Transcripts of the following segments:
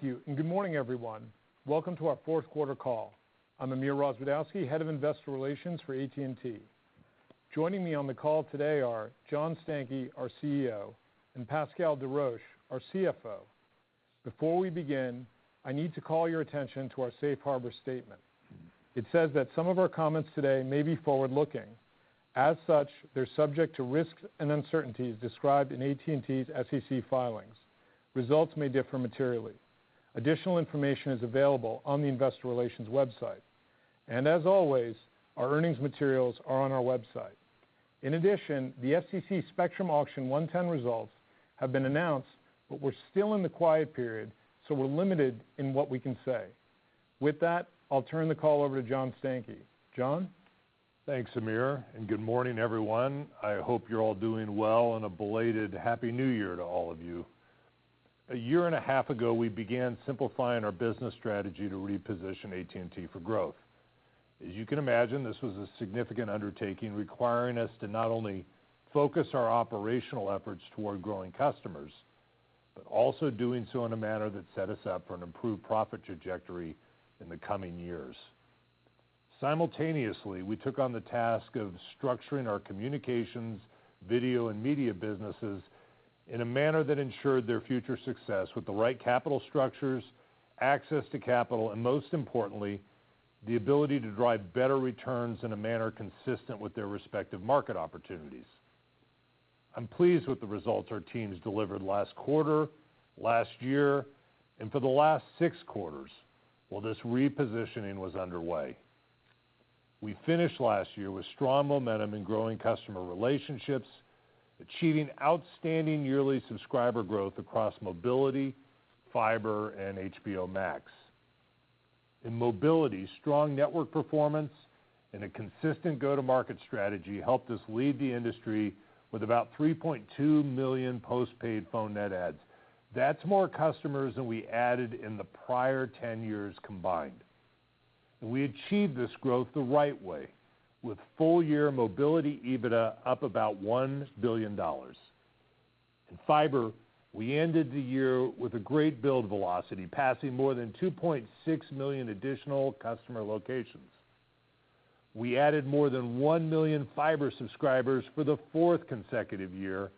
Good morning, everyone. Welcome to our Q4 call. I'm Amir Rozwadowski, Head of Investor Relations for AT&T. Joining me on the call today are John Stankey, our CEO, and Pascal Desroches, our CFO. Before we begin, I need to call your attention to our Safe Harbor Statement. It says that some of our comments today may be forward-looking. As such, they're subject to risks and uncertainties described in AT&T's SEC filings. Results may differ materially. Additional information is available on the Investor Relations Website. As always, our earnings materials are on our website. In addition, the SEC spectrum auction 110 results have been announced, but we're still in the quiet period, so we're limited in what we can say. With that, I'll turn the call over to John Stankey. John? Thanks, Amir, and good morning, everyone. I hope you're all doing well and a belated happy new year to all of you. A year and a half ago, we began simplifying our business strategy to reposition AT&T for growth. As you can imagine, this was a significant undertaking, requiring us to not only focus our operational efforts toward growing customers, but also doing so in a manner that set us up for an improved profit trajectory in the coming years. Simultaneously, we took on the task of structuring our communications, video, and media businesses in a manner that ensured their future success with the right capital structures, access to capital, and most importantly, the ability to drive better returns in a manner consistent with their respective market opportunities. I'm pleased with the results our teams delivered last quarter, last year, and for the last six quarters while this repositioning was underway. We finished last year with strong momentum in growing customer relationships, achieving outstanding yearly subscriber growth across mobility, fiber, and HBO Max. In mobility, strong network performance and a consistent go-to-market strategy helped us lead the industry with about 3.2 million postpaid phone net adds. That’s more customers than we added in the prior ten years combined. We achieved this growth the right way, with full-year mobility EBITDA up about $1 billion. In fiber, we ended the year with a great build velocity, passing more than 2.6 million additional customer locations. We added more than 1 million fiber subscribers for the fourth consecutive year,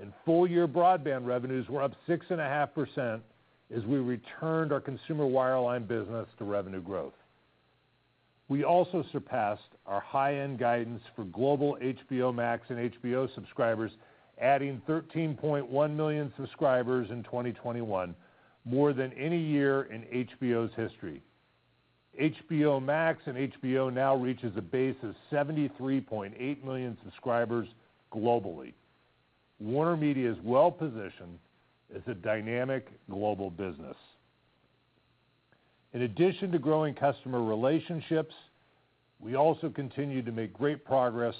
and full-year broadband revenues were up 6.5% as we returned our consumer wireline business to revenue growth. We also surpassed our high-end guidance for global HBO Max and HBO subscribers, adding 13.1 million subscribers in 2021, more than any year in HBO's history. HBO Max and HBO now reache a base of 73.8 million subscribers globally. WarnerMedia is well-positioned as a dynamic global business. In addition to growing customer relationships, we also continue to make great progress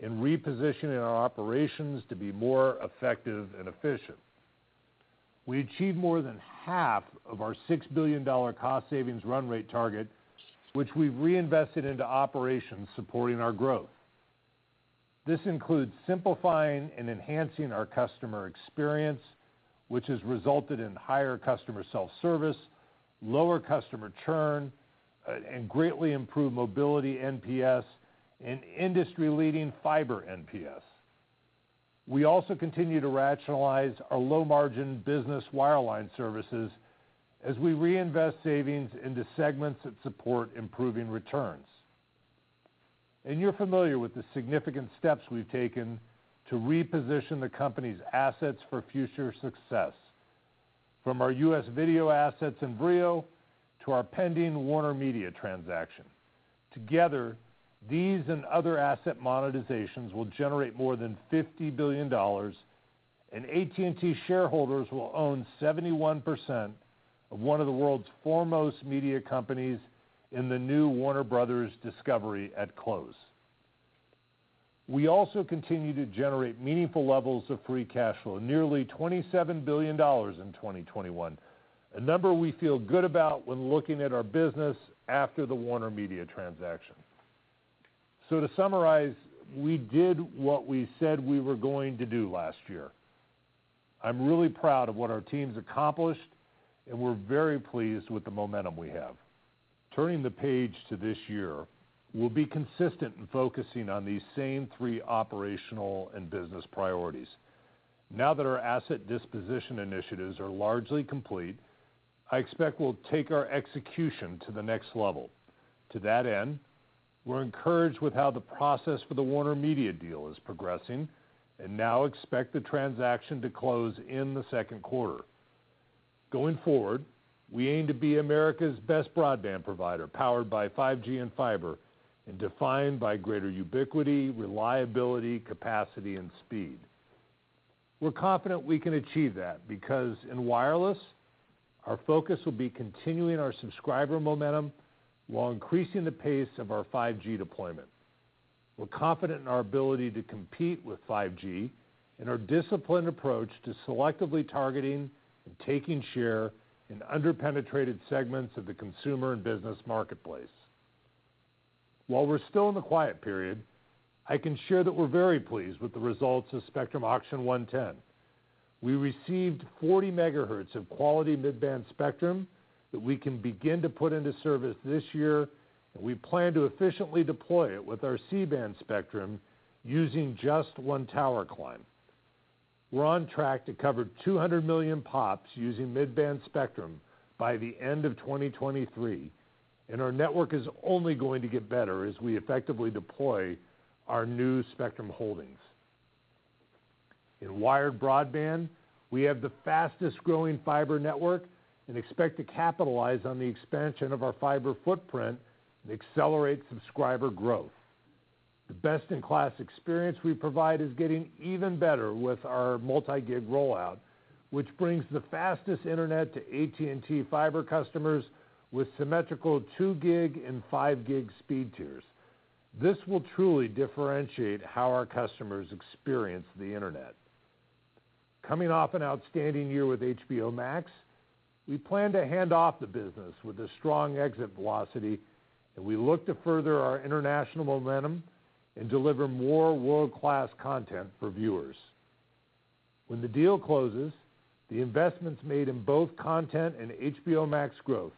in repositioning our operations to be more effective and efficient. We achieved more than half of our $6 billion cost-savings run rate target, which we've reinvested into operations supporting our growth. This includes simplifying and enhancing our customer experience, which has resulted in higher customer self-service, lower customer churn, and greatly improved mobility NPS and industry-leading fiber NPS. We also continue to rationalize our low-margin business wireline services as we reinvest savings into segments that support improving returns. You're familiar with the significant steps we've taken to reposition the company's assets for future success, from our U.S. video assets in Vrio to our pending WarnerMedia transaction. Together, these and other asset monetizations will generate more than $50 billion, and AT&T shareholders will own 71% of one of the world's foremost media companies in the new Warner Bros. Discovery at close. We also continue to generate meaningful levels of free cash flow, nearly $27 billion in 2021, a number we feel good about when looking at our business after the WarnerMedia transaction. To summarize, we did what we said we were going to do last year. I'm really proud of what our team's has accomplished, and we're very pleased with the momentum we have. Turning the page to this year, we'll be consistent in focusing on these same three operational and business priorities. Now that our asset disposition initiatives are largely complete. I expect we'll take our execution to the next level. To that end, we're encouraged with how the process for the WarnerMedia deal is progressing and now expect the transaction to close in Q2. Going forward, we aim to be America’s leading broadband provider, powered by 5G and fiber, and defined by greater ubiquity, reliability, capacity, and speed. We're confident we can achieve that because in wireless, our focus will be continuing our subscriber momentum while increasing the pace of our 5G deployment. We're confident in our ability to compete with 5G and our disciplined approach to selectively targeting and taking share in under-penetrated segments of the consumer and business marketplace. While we're still in the quiet period, I can share that we're very pleased with the results of Spectrum Auction 110. We received 40 megahertz of quality mid-band spectrum that we can begin to put into service this year, and we plan to efficiently deploy it with our C-band spectrum using just one tower climb. We're on track to cover 200 million POPs using mid-band spectrum by the end of 2023, and our network is only going to get better as we effectively deploy our new spectrum holdings. In wired broadband, we have the fastest-growing fiber network and expect to capitalize on the expansion of our fiber footprint and accelerate subscriber growth. The best-in-class experience we provide is getting even better with our multi-gigabit rollout, which brings the fastest internet to AT&T Fiber customers with symmetrical 2 Gbps and 5 Gbps speed tiers. This will differentiate the customer internet experience. Coming off an outstanding year with HBO Max, we plan to hand off the business with a strong exit velocity, and we look to further our international momentum and deliver more world-class content for viewers. When the deal closes, the investments made in both content and HBO Max growth,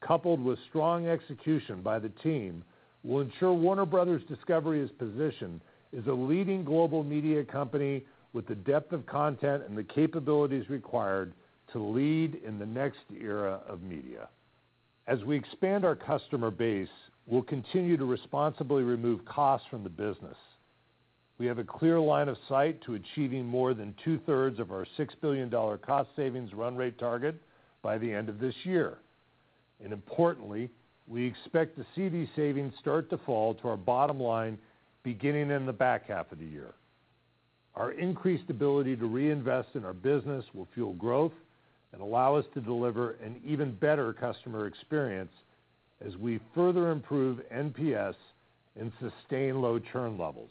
coupled with strong execution by the team, will ensure Warner Bros. Discovery is positioned as a leading global media company with the depth of content and the capabilities required to lead in the next era of media. As we expand our customer base, we'll continue to responsibly remove costs from the business. We have a clear line of sight to achieving more than two-thirds of our $6 billion cost savings run rate target by the end of this year. Importantly, we expect to see these savings start to fall to our bottom line beginning in the back half of the year. Our increased ability to reinvest in our business will fuel growth and allow us to deliver an even better customer experience as we further improve NPS and sustain low churn levels.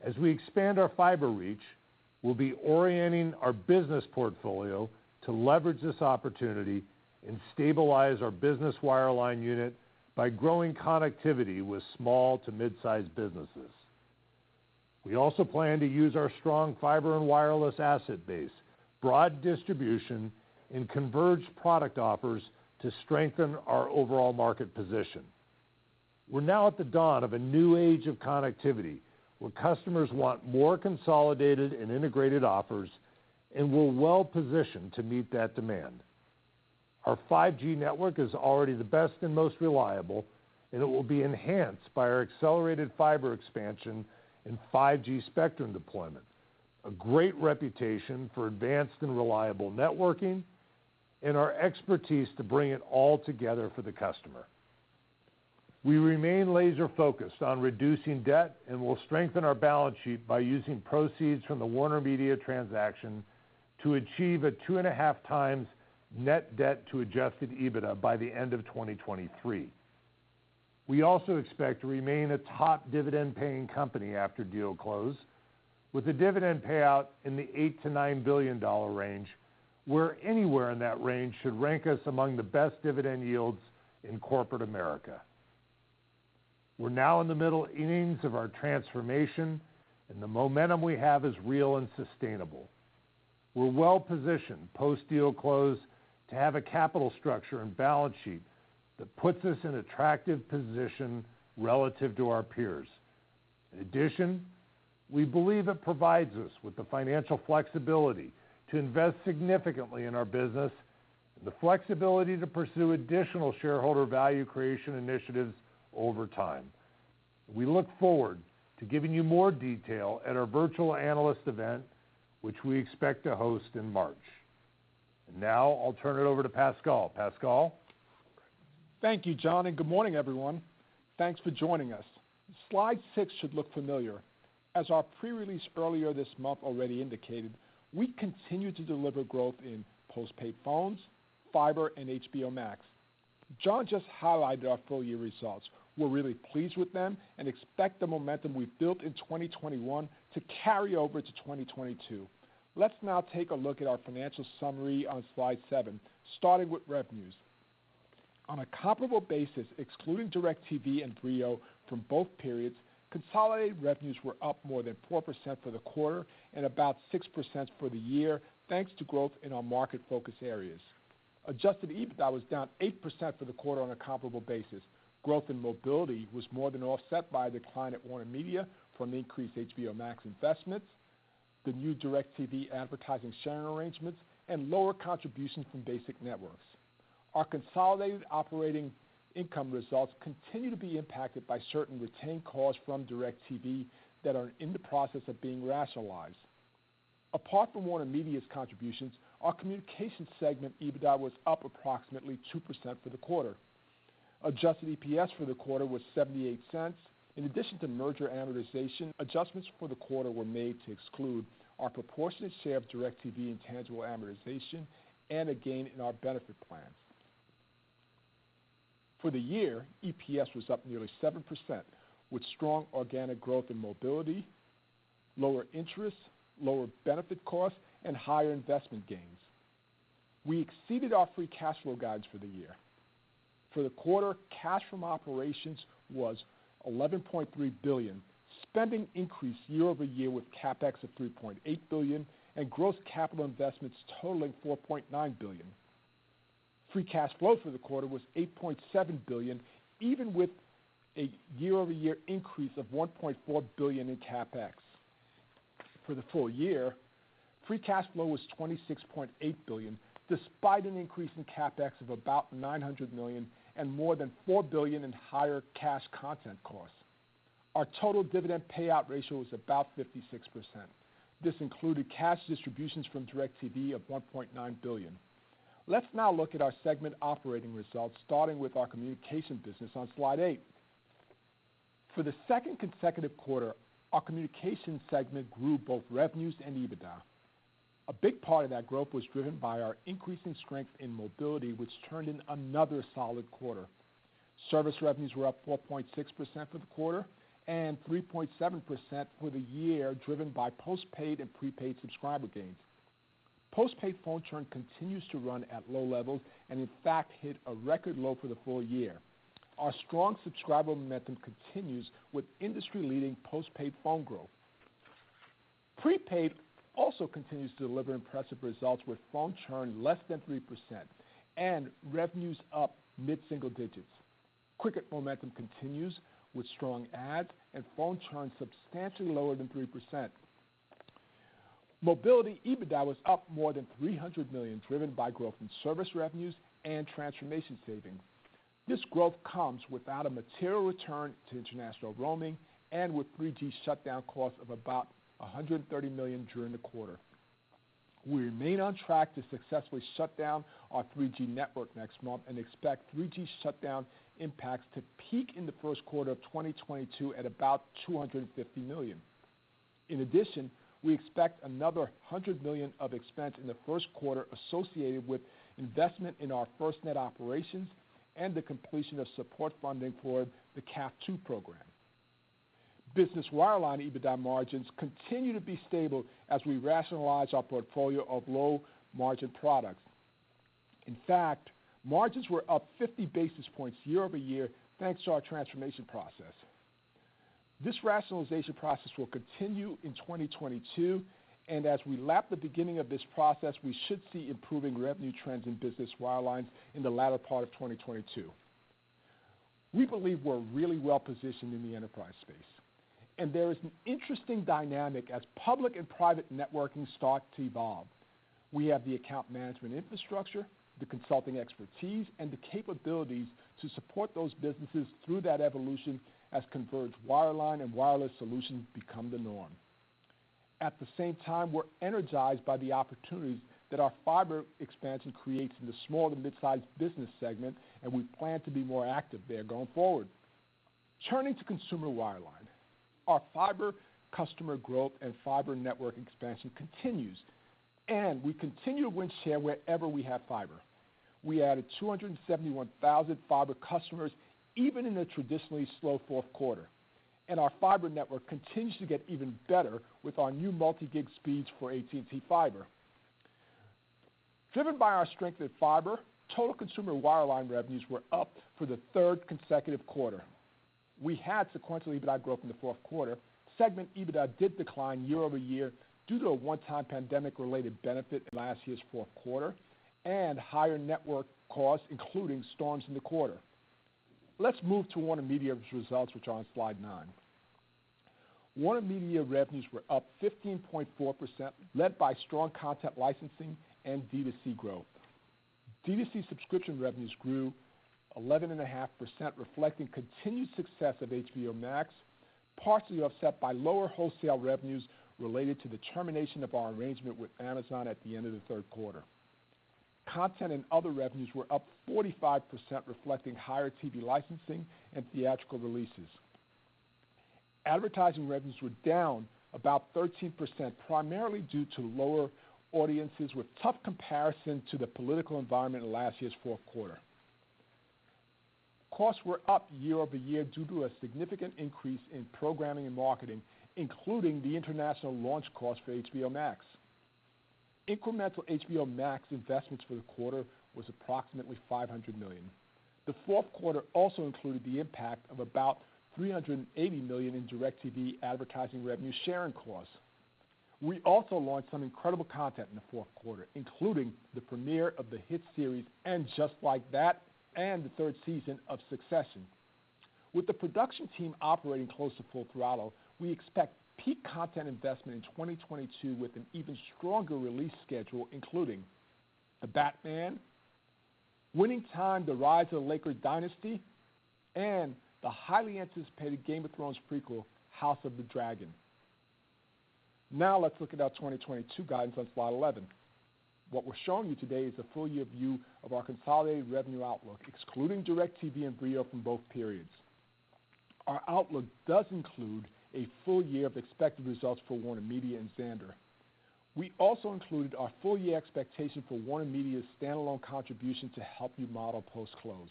As we expand our fiber reach, we'll be orienting our business portfolio to leverage this opportunity and stabilize our business wireline unit by growing connectivity with small to mid-sized businesses. We also plan to use our strong fiber and wireless asset base, broad distribution, and converged product offers to strengthen our overall market position. We're now at the dawn of a new age of connectivity, where customers want more consolidated and integrated offers, and we're well-positioned to meet that demand. Our 5G network is already the best and most reliable, and it will be enhanced by our accelerated fiber expansion and 5G spectrum deployment, a great reputation for advanced and reliable networking, and our expertise to bring it all together for the customer. We remain laser-focused on reducing debt, and we'll strengthen our balance sheet by using proceeds from the WarnerMedia transaction to achieve a 2.5 times net debt to adjusted EBITDA by the end of 2023. We also expect to remain a top dividend-paying company after deal close with a dividend payout in the $8 billion to $9 billion range, where anywhere in that range should rank us among the best dividend yields in corporate America. We're now in the mid-phase of our transformation, and the momentum we have is real and sustainable. We're well-positioned post-deal close to have a capital structure and balance sheet that puts us in an attractive position relative to our peers. In addition, we believe it provides us with the financial flexibility to invest significantly in our business and the flexibility to pursue additional shareholder value creation initiatives over time. We look forward to giving you more detail at our virtual analyst event, which we expect to host in March. Now I'll turn it over to Pascal. Pascal? Thank you, John, and good morning, everyone. Slide 6 should look familiar. As our pre-release earlier this month already indicated, we continue to deliver growth in postpaid phones, fiber, and HBO Max. John just highlighted our full-year results. We're really pleased with them and expect the momentum we've built in 2021 to carry over to 2022. Let's now take a look at our financial summary on slide 7, starting with revenues. On a comparable basis, excluding DirecTV and Vrio from both periods, consolidated revenues were up more than 4% for the quarter and about 6% for the year, thanks to growth in our market focus areas. Adjusted EBITDA was down 8% for the quarter on a comparable basis. Growth in mobility was more than offset by a decline at WarnerMedia from increased HBO Max investments, the new DirecTV advertising sharing arrangements and lower contributions from basic networks. Our consolidated operating income results continue to be impacted by certain retained costs from DirecTV that are in the process of being rationalized. Apart from WarnerMedia's contributions, our communication segment EBITDA was up approximately 2% for the quarter. Adjusted EPS for the quarter was $0.78. In addition to merger amortization, adjustments for the quarter were made to exclude our proportionate share of DirecTV intangible amortization and a gain in our benefit plan. For the year, EPS was up nearly 7% with strong organic growth in mobility, lower interest, lower benefit costs, and higher investment gains. We exceeded our free cash flow guides for the year. For the quarter, cash from operations was $11.3 billion. Spending increased year-over-year with CapEx of $3.8 billion and gross capital investments totaling $4.9 billion. Free cash flow for the quarter was $8.7 billion, even with a year-over-year increase of $1.4 billion in CapEx. For the full year, free cash flow was $26.8 billion, despite an increase in CapEx of about $900 million and more than $4 billion in higher cash content costs. Our total dividend payout ratio was about 56%. This included cash distributions from DirecTV of $1.9 billion. Let's now look at our segment operating results, starting with our Communications business on slide 8. For the second consecutive quarter, our Communications segment grew both revenues and EBITDA. A big part of that growth was driven by our increasing strength in mobility, which turned in another solid quarter. Service revenues were up 4.6% for the quarter and 3.7% for the year, driven by postpaid and prepaid subscriber gains. Postpaid phone churn continues to run at low levels and in fact hit a record low for the full year. Our strong subscriber momentum continues with industry-leading postpaid phone growth. Prepaid also continues to deliver impressive results with phone churn less than 3% and revenues up mid-single digits. Cricket momentum continues with strong adds and phone churn substantially lower than 3%. Mobility EBITDA was up more than $300 million, driven by growth in service revenues and transformation savings. This growth comes without a material return to international roaming and with 3G shutdown costs of about $130 million during the quarter. We remain on track to successfully shut down our 3G network next month and expect 3G shutdown impacts to peak in the Q1 of 2022 at about $250 million. In addition, we expect another $100 million of expense in the Q1 associated with investment in our FirstNet operations and the completion of support funding for the CAF II program. Business Wireline EBITDA margins continue to be stable as we rationalize our portfolio of low-margin products. In fact, margins were up 50 basis points year-over-year, thanks to our transformation process. This rationalization process will continue in 2022, and as we lap the beginning of this process, we should see improving revenue trends in Business Wireline in the latter part of 2022. We believe we're really well-positioned in the enterprise space, and there is an interesting dynamic as public and private networking start to evolve. We have the account management infrastructure, the consulting expertise, and the capabilities to support those businesses through that evolution as converged wireline and wireless solutions become the norm. At the same time, we're energized by the opportunities that our fiber expansion creates in the small to midsize business segment, and we plan to be more active there going forward. Turning to consumer wireline, our fiber customer growth and fiber network expansion continues, and we continue to win share wherever we have fiber. We added 271,000 fiber customers, even in a traditionally slow Q4. Our fiber network continues to get even better with our new multi-gig speeds for AT&T Fiber. Driven by our strength in fiber, total consumer wireline revenues were up for the third consecutive quarter. We had sequential EBITDA growth in the Q4. Segment EBITDA did decline year-over-year due to a one-time pandemic-related benefit in last year's Q4 and higher network costs, including storms in the quarter. Let's move to WarnerMedia's results, which are on slide 9. WarnerMedia revenues were up 15.4%, led by strong content licensing and D2C growth. D2C subscription revenues grew 11.5%, reflecting continued success of HBO Max, partially offset by lower wholesale revenues related to the termination of our arrangement with Amazon at the end of the Q3. Content and other revenues were up 45%, reflecting higher TV licensing and theatrical releases. Advertising revenues were down about 13%, primarily due to lower audiences with tough comparison to the political environment in last year's Q4. Costs were up year over year due to a significant increase in programming and marketing, including the international launch cost for HBO Max. Incremental HBO Max investments for the quarter was approximately $500 million. The Q4 also included the impact of about $380 million in DirecTV advertising revenue sharing costs. We also launched some incredible content in the Q4, including the premiere of the hit series And Just Like That... and the third season of Succession. With the production team operating close to full throttle, we expect peak content investment in 2022 with an even stronger release schedule, including The Batman, Winning Time: The Rise of the Lakers Dynasty, and the highly anticipated Game of Thrones prequel, House of the Dragon. Now let's look at our 2022 guidance on slide 11. What we're showing you today is the full year view of our consolidated revenue outlook, excluding DirecTV and Vrio from both periods. Our outlook does include a full year of expected results for WarnerMedia and Xandr. We also included our full year expectation for WarnerMedia's standalone contribution to help you model post-close.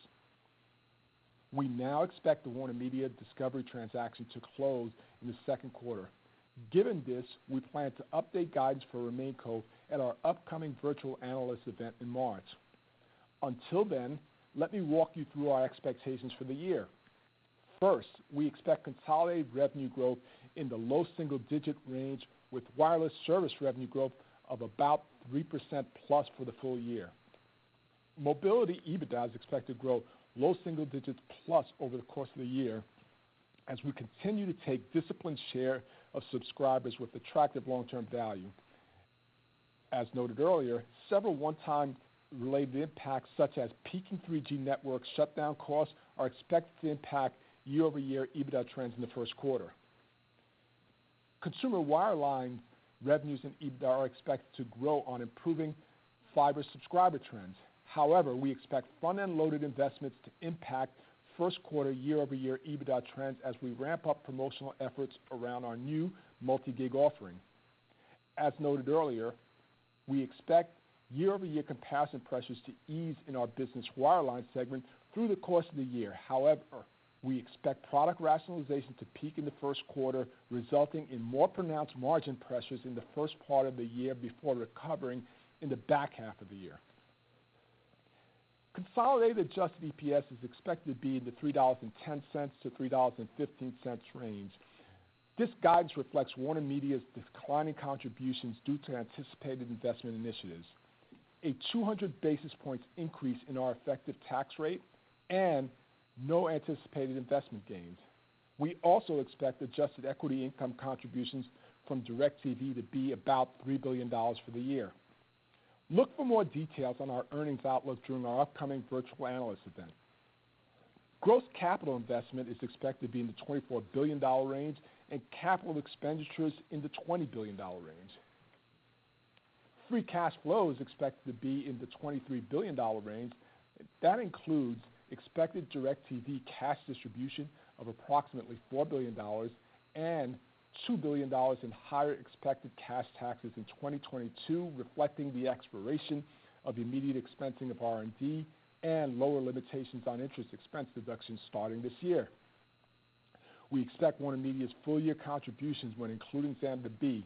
We now expect the WarnerMedia-Discovery transaction to close in Q2. Given this, we plan to update guidance for RemainCo at our upcoming virtual analyst event in March. Until then, let me walk you through our expectations for the year. First, we expect consolidated revenue growth in the low single-digit range, with wireless service revenue growth of about greater than 3% for the full year. Mobility EBITDA is expected to grow low single digits+ over the course of the year as we continue to take disciplined share of subscribers with attractive long-term value. As noted earlier, several one-time related impacts, such as peaking 3G network shutdown costs, are expected to impact year-over-year EBITDA trends in the Q1. Consumer wireline revenues and EBITDA are expected to grow on improving fiber subscriber trends. However, we expect front-end loaded investments to impact Q1 year-over-year EBITDA trends as we ramp up promotional efforts around our new multi-gig offering. As noted earlier, we expect year-over-year comparison pressures to ease in our Business Wireline segment through the course of the year. However, we expect product rationalization to peak in the Q1, resulting in more pronounced margin pressures in the first part of the year before recovering in the back half of the year. Consolidated adjusted EPS is expected to be in the $3.10-$3.15 range. This guidance reflects WarnerMedia's declining contributions due to anticipated investment initiatives, a 200 basis points increase in our effective tax rate, and no anticipated investment gains. We also expect adjusted equity income contributions from DirecTV to be about $3 billion for the year. Look for more details on our earnings outlook during our upcoming virtual analyst event. Gross capital investment is expected to be in the $24 billion range and capital expenditures in the $20 billion range. Free cash flow is expected to be in the $23 billion range. That includes expected DirecTV cash distribution of approximately $4 billion and $2 billion in higher expected cash taxes in 2022, reflecting the expiration of immediate expensing of R&D and lower limitations on interest expense deductions starting this year. We expect WarnerMedia's full-year contributions when including Xandr to be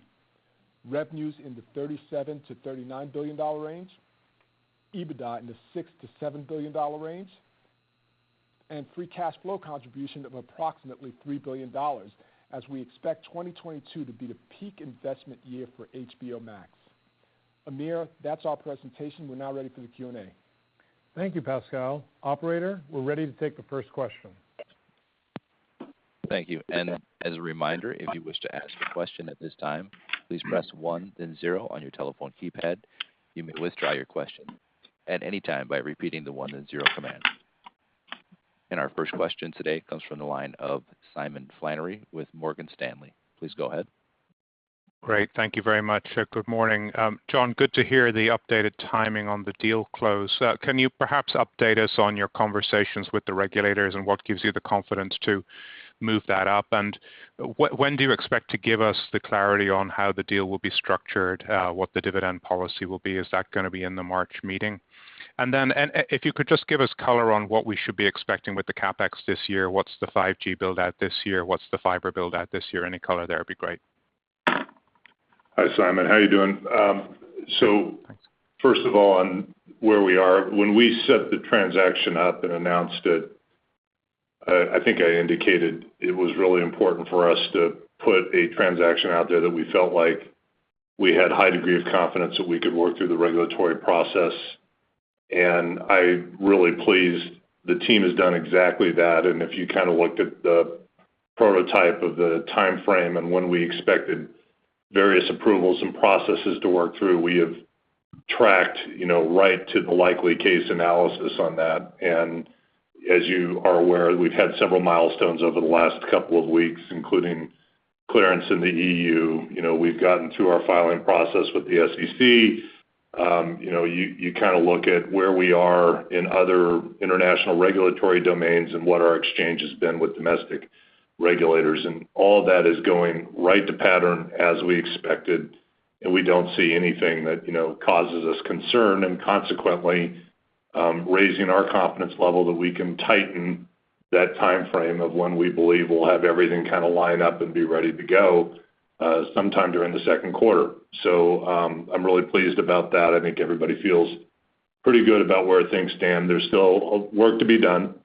revenues in the $37 billion-$39 billion range, EBITDA in the $6 billion-$7 billion range, and free cash flow contribution of approximately $3 billion, as we expect 2022 to be the peak investment year for HBO Max. Amir, that's our presentation. We're now ready for the Q&A. Thank you, Pascal. Operator, we're ready to take the first question. Great. Thank you very much. Good morning. John, good to hear the updated timing on the deal close. Can you perhaps update us on your conversations with the regulators and what gives you the confidence to move that up? When do you expect to give us the clarity on how the deal will be structured, what the dividend policy will be? Is that going to be in the March meeting? If you could just give us color on what we should be expecting with the CapEx this year, what's the 5G build out this year? What's the fiber build out this year? Any color there would be great. Hi, Simon. How are you doing? First of all, on where we are, when we set the transaction up and announced it, I think I indicated it was really important for us to put a transaction out there that we felt like we had high degree of confidence that we could work through the regulatory process. I'm really pleased the team has done exactly that. If you kind of looked at the prototype of the timeframe and when we expected various approvals and processes to work through, we have tracked, you know, right to the likely case analysis on that. As you are aware, we've had several milestones over the last couple of weeks, including clearance in the EU. You know, we've gotten to our filing process with the SEC. You know, you kind of look at where we are in other international regulatory domains and what our exchange has been with domestic regulators. All that is going right to pattern as we expected, and we don't see anything that, you know, causes us concern, and consequently, raising our confidence level that we can tighten that timeframe of when we believe we'll have everything kind of lined up and be ready to go, sometime during the Q2. I'm really pleased about that. I think everybody feels strong about where things stand. There's still work to be done.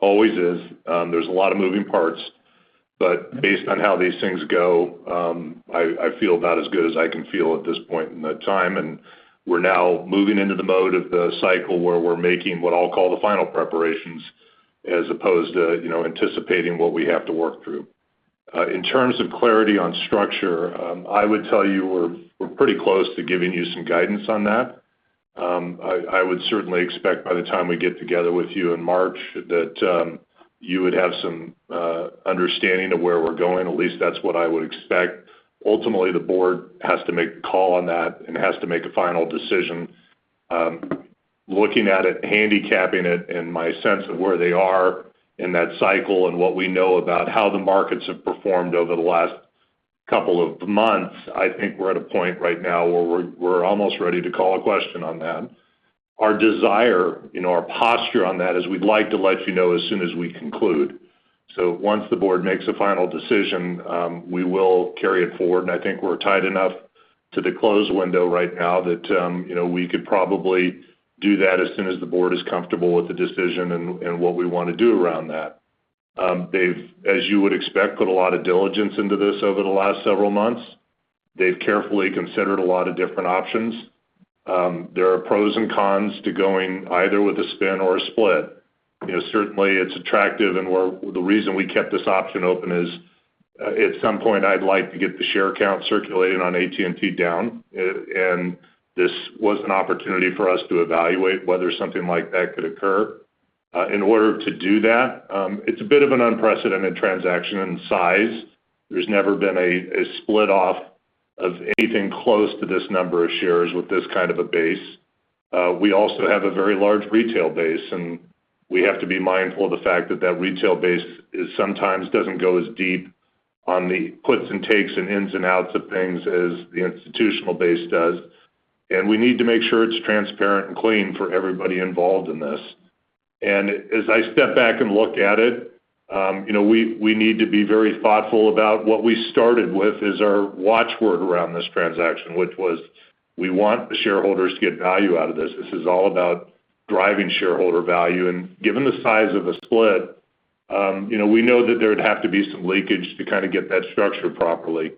Always is. There's a lot of moving parts. Based on how these things go, I feel about as good as I can feel at this point in time, and we're now moving into the mode of the cycle where we're making what I'll call the final preparations as opposed to, you know, anticipating what we have to work through. In terms of clarity on structure, I would tell you we're pretty close to giving you some guidance on that. I would certainly expect by the time we get together with you in March that you would have some understanding of where we're going, at least that's what I would expect. Ultimately, the board has to make a call on that and has to make a final decision. Looking at it, handicapping it, and my sense of where they are in that cycle and what we know about how the markets have performed over the last couple of months, I think we're at a point right now where we're almost ready to call a question on that. Our desire, you know, our posture on that is we'd like to let you know as soon as we conclude. Once the board makes a final decision, we will carry it forward, and I think we're tied enough to the close window right now that, you know, we could probably do that as soon as the board is comfortable with the decision and what we want to do around that. They've, as you would expect, put a lot of diligence into this over the last several months. They've carefully considered a lot of different options. There are pros and cons to going either with a spin or a split. You know, certainly it's attractive, and the reason we kept this option open is, at some point, I'd like to get the share count circulating on AT&T down, and this was an opportunity for us to evaluate whether something like that could occur. In order to do that, it's a bit of an unprecedented transaction in size. There's never been a split off of anything close to this number of shares with this kind of a base. We also have a very large retail base, and we have to be mindful of the fact that that retail base sometimes doesn't go as deep on the puts and takes and ins and outs of things as the institutional base does. We need to make sure it's transparent and clean for everybody involved in this. As I step back and look at it, you know, we need to be very thoughtful about what we started with is our watch word around this transaction, which was we want the shareholders to get value out of this. This is all about driving shareholder value. Given the size of the split, you know, we know that there would have to be some leakage to kind of get that structured properly.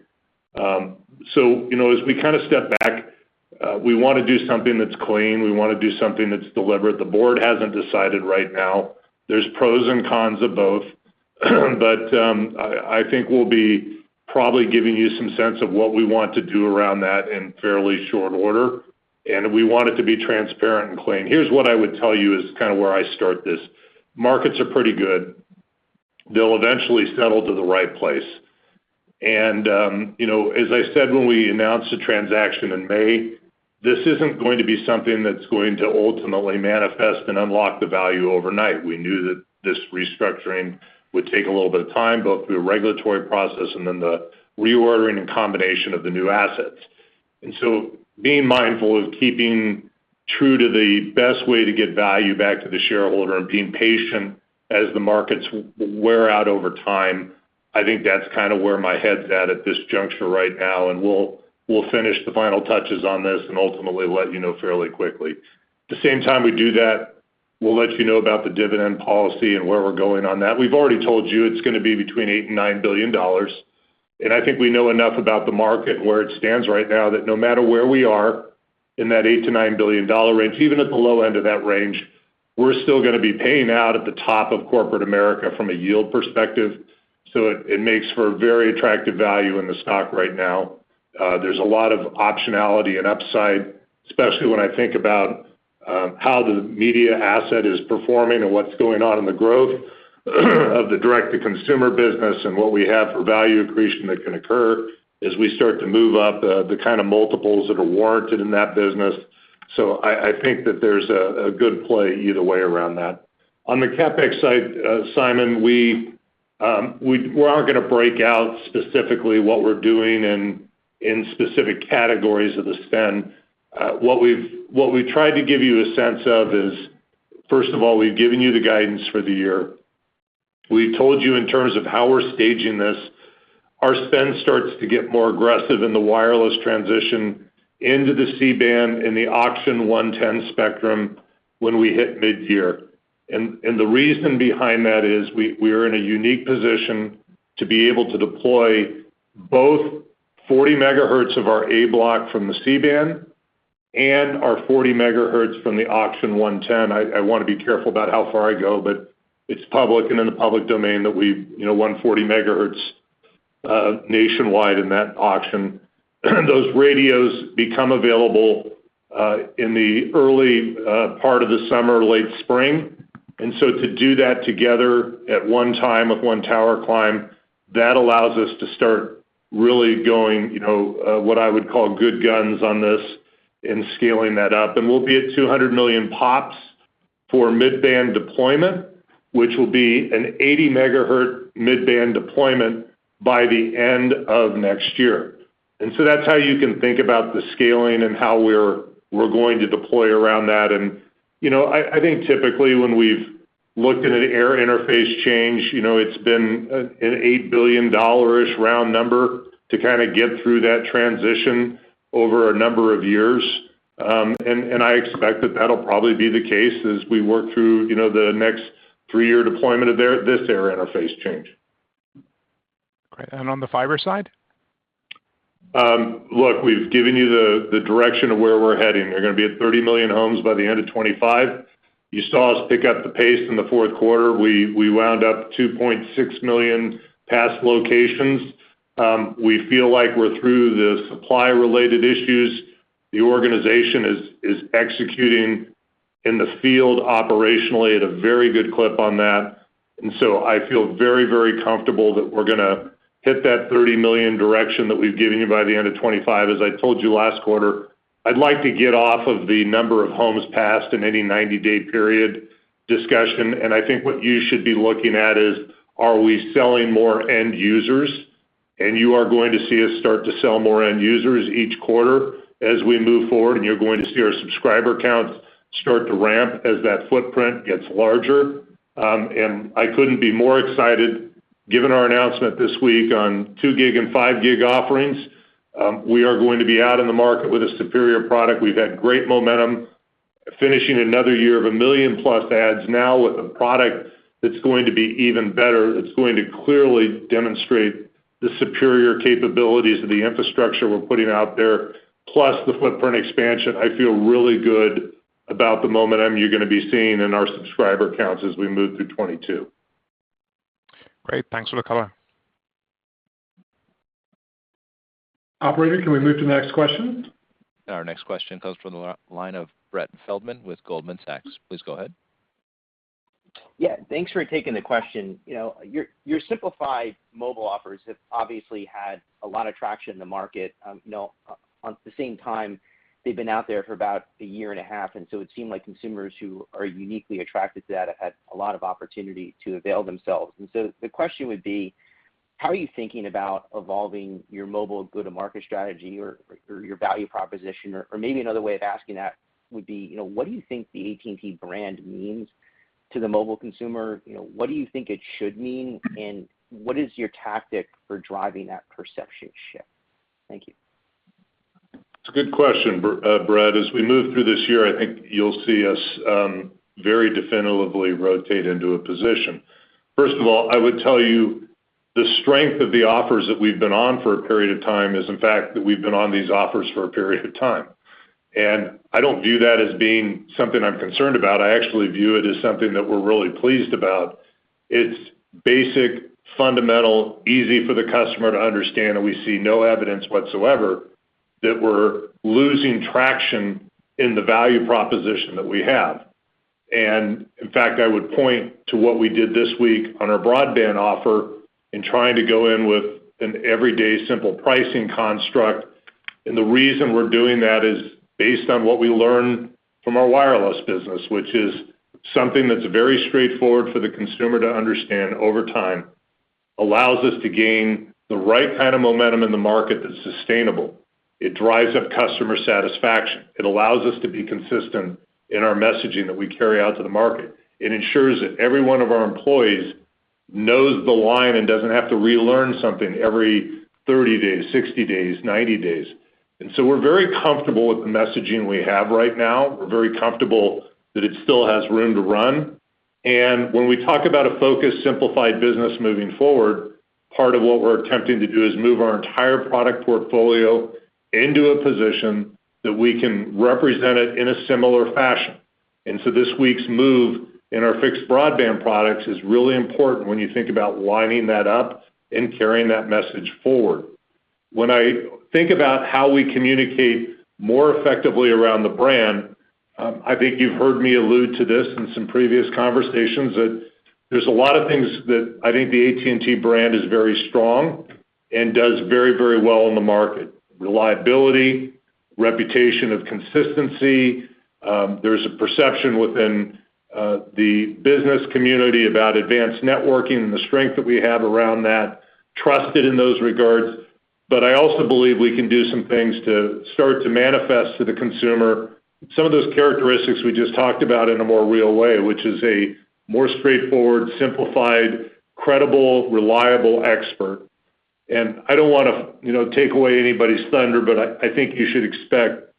You know, as we kind of step back, we want to do something that's clean. We want to do something that's deliberate. The board hasn't decided right now. There's pros and cons of both. I think we'll be probably giving you some sense of what we want to do around that in fairly short order, and we want it to be transparent and clean. Here's what I would tell you is kind of where I start this. Markets are pretty good. They'll eventually settle to the right place. You know, as I said, when we announced the transaction in May, this isn't going to be something that's going to ultimately manifest and unlock the value overnight. We knew that this restructuring would take a little bit of time, both through regulatory process and then the reordering and combination of the new assets. Being mindful of keeping true to the best way to get value back to the shareholder and being patient as the markets wear out over time, I think that's kind of where my head's at this juncture right now, and we'll finish the final touches on this and ultimately let you know fairly quickly. At the same time we do that, we'll let you know about the dividend policy and where we're going on that. We've already told you it's going to be between $8 billion and $9 billion. I think we know enough about the market and where it stands right now that no matter where we are in that $8 billion to $9 billion range, even at the low end of that range, we're still going to be paying out at the top of corporate America from a yield perspective. It makes for a very attractive value in the stock right now. There's a lot of optionality and upside, especially when I think about how the media asset is performing and what's going on in the growth of the direct-to-consumer business and what we have for value accretion that can occur as we start to move up the kind of multiples that are warranted in that business. I think that there's a good play either way around that. On the CapEx side, Simon, we are going to break out specifically what we're doing in specific categories of the spend. What we've tried to give you a sense of is, first of all, we've given you the guidance for the year. We've told you in terms of how we're staging this. Our spend starts to get more aggressive in the wireless transition into the C-band in the Auction 110 spectrum when we hit mid-year. The reason behind that is we are in a unique position to be able to deploy both 40 MHz of our A-block from the C-band and our 40 MHz from the Auction 110. I want to be careful about how far I go, but it's public and in the public domain that we you know won 40 MHz nationwide in that auction. Those radios become available in the early part of the summer, late spring. To do that together at one time with one tower climb, that allows us to start really going you know what I would call great guns on this and scaling that up. We'll be at 200 million POPs for mid-band deployment, which will be an 80 MHz mid-band deployment by the end of next year. That's how you can think about the scaling and how we're going to deploy around that. You know, I think typically when we've looked at an air interface change, you know, it's been an $8 billion-ish round number to kind of get through that transition over a number of years. I expect that that'll probably be the case as we work through, you know, the next three-year deployment of this air interface change. Great. On the fiber side? Look, we've given you the direction of where we're heading. We're going to be at 30 million homes by the end of 2025. You saw us pick up the pace in the Q4. We wound up 2.6 million passed locations. We feel like we're through the supply-related issues. The organization is executing in the field operationally at a very good clip on that. I feel very comfortable that we're going to hit that 30 million direction that we've given you by the end of 2025. As I told you last quarter, I'd like to get off of the number of homes passed in any 90-day period discussion. I think what you should be looking at is, are we selling more end users? You are going to see us start to sell more end users each quarter as we move forward, and you're going to see our subscriber counts start to ramp as that footprint gets larger. I couldn't be more excited given our announcement this week on 2-Gigabit and 5-Gigabit offerings. We are going to be out in the market with a superior product. We've had great momentum, finishing another year of 1 million-plus adds now with a product that's going to be even better. It's going to clearly demonstrate the superior capabilities of the infrastructure we're putting out there, plus the footprint expansion. I feel really good about the momentum you're going to be seeing in our subscriber counts as we move through 2022. Great. Thanks for the color. Operator, can we move to next question? Yeah, thanks for taking the question. Your simplified mobile offers have obviously had a lot of traction in the market, at the same time, they've been out there for about a year and a half, and so it seemed like consumers who are uniquely attracted to that had a lot of opportunity to avail themselves. The question would be, how are you thinking about evolving your mobile go-to-market strategy or your value proposition? Or maybe another way of asking that would be, what do you think the AT&T brand means to the mobile consumer? What do you think it should mean? What is your tactic for driving that perception shift? Thank you. It's a good question, Brett. As we move through this year, I think you'll see us very definitively rotate into a position. First of all, I would tell you the strength of the offers that we've been on for a period of time is, in fact, that we've been on these offers for a period of time. I don't view that as being something I'm concerned about. I actually view it as something that we're really pleased about. It's basic, fundamental, easy for the customer to understand, and we see no evidence whatsoever that we're losing traction in the value proposition that we have. In fact, I would point to what we did this week on our broadband offer in trying to go in with an everyday simple pricing construct. The reason we're doing that is based on what we learn from our wireless business, which is something that's very straightforward for the consumer to understand over time, allows us to gain the right kind of momentum in the market that's sustainable. It drives up customer satisfaction. It allows us to be consistent in our messaging that we carry out to the market. It ensures that every one of our employees knows the line and doesn't have to relearn something every 30 days, 60 days, 90 days. We're very comfortable with the messaging we have right now. We're very comfortable that it still has room to run. When we talk about a focused, simplified business moving forward, part of what we're attempting to do is move our entire product portfolio into a position that we can represent it in a similar fashion. This week's move in our fixed broadband products is really important when you think about lining that up and carrying that message forward. When I think about how we communicate more effectively around the brand, I think you've heard me allude to this in some previous conversations, that there's a lot of things that I think the AT&T brand is very strong and does very, very well in the market, reliability, reputation of consistency. There's a perception within the business community about advanced networking and the strength that we have around that, trusted in those regards. I also believe we can do some things to start to manifest to the consumer some of those characteristics we just talked about in a more real way, which is a more straightforward, simplified, credible, reliable expert. I don't wanna, you know, take away anybody's thunder, but I think you should expect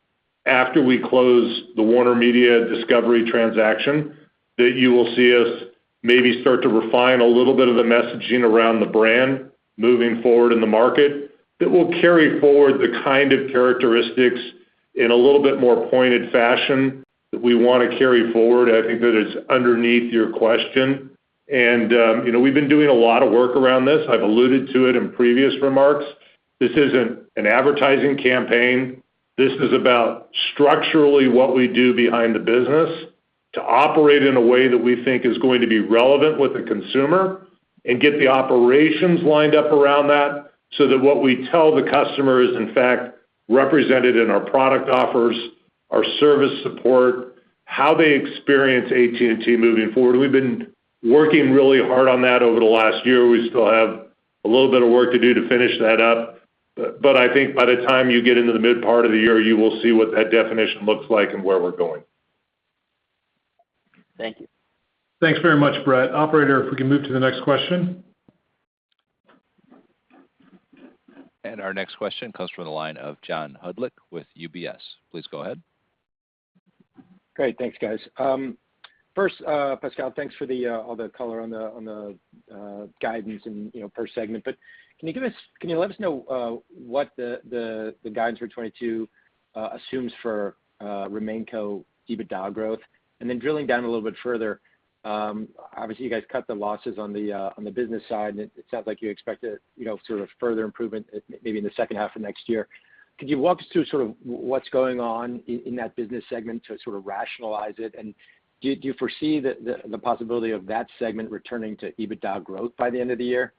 after we close the WarnerMedia/Discovery transaction, that you will see us maybe start to refine a little bit of the messaging around the brand moving forward in the market that will carry forward the kind of characteristics in a little bit more pointed fashion that we wanna carry forward. I think that it's underneath your question. You know, we've been doing a lot of work around this. I've alluded to it in previous remarks. This isn't an advertising campaign. This is about structurally what we do behind the business to operate in a way that we think is going to be relevant with the consumer and get the operations lined up around that so that what we tell the customer is in fact represented in our product offers, our service support, how they experience AT&T moving forward. We've been working really hard on that over the last year. We still have a little bit of work to do to finish that up, but I think by the time you get into the mid part of the year, you will see what that definition looks like and where we're going. Thank you. Thanks very much, Brett. Operator, if we can move to the next question. Great. Thanks, guys. First, Pascal, thanks for all the color on the guidance and, you know, per segment, but can you let us know what the guidance for 2022 assumes for RemainCo EBITDA growth? And then drilling down a little bit further, obviously, you guys cut the losses on the business side, and it sounds like you expect a, you know, sort of further improvement maybe in the second half of next year. Could you walk us through sort of what's going on in that business segment to sort of rationalize it? And do you foresee the possibility of that segment returning to EBITDA growth by the end of the year?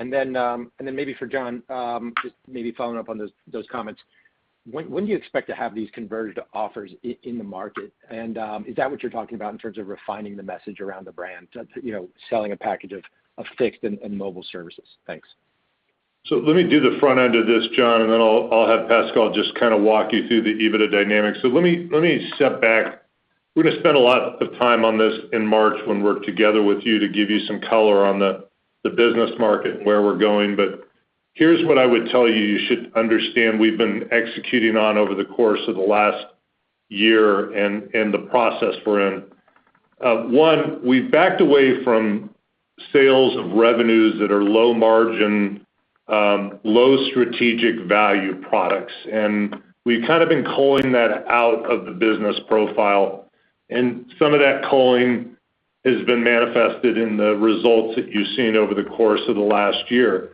maybe for John, just maybe following up on those comments, when do you expect to have these converged offers in the market? Is that what you're talking about in terms of refining the message around the brand to, you know, selling a package of fixed and mobile services? Thanks. Let me do the front end of this, John, and then I'll have Pascal just kind of walk you through the EBITDA dynamics. Let me step back. We're going to spend a lot of time on this in March when we're together with you to give you some color on the business market and where we're going. Here's what I would tell you should understand we've been executing on over the course of the last year and the process we're in. One, we've backed away from sales of revenues that are low margin, low strategic value products, and we've kind of been culling that out of the business profile. Some of that culling has been manifested in the results that you've seen over the course of the last year.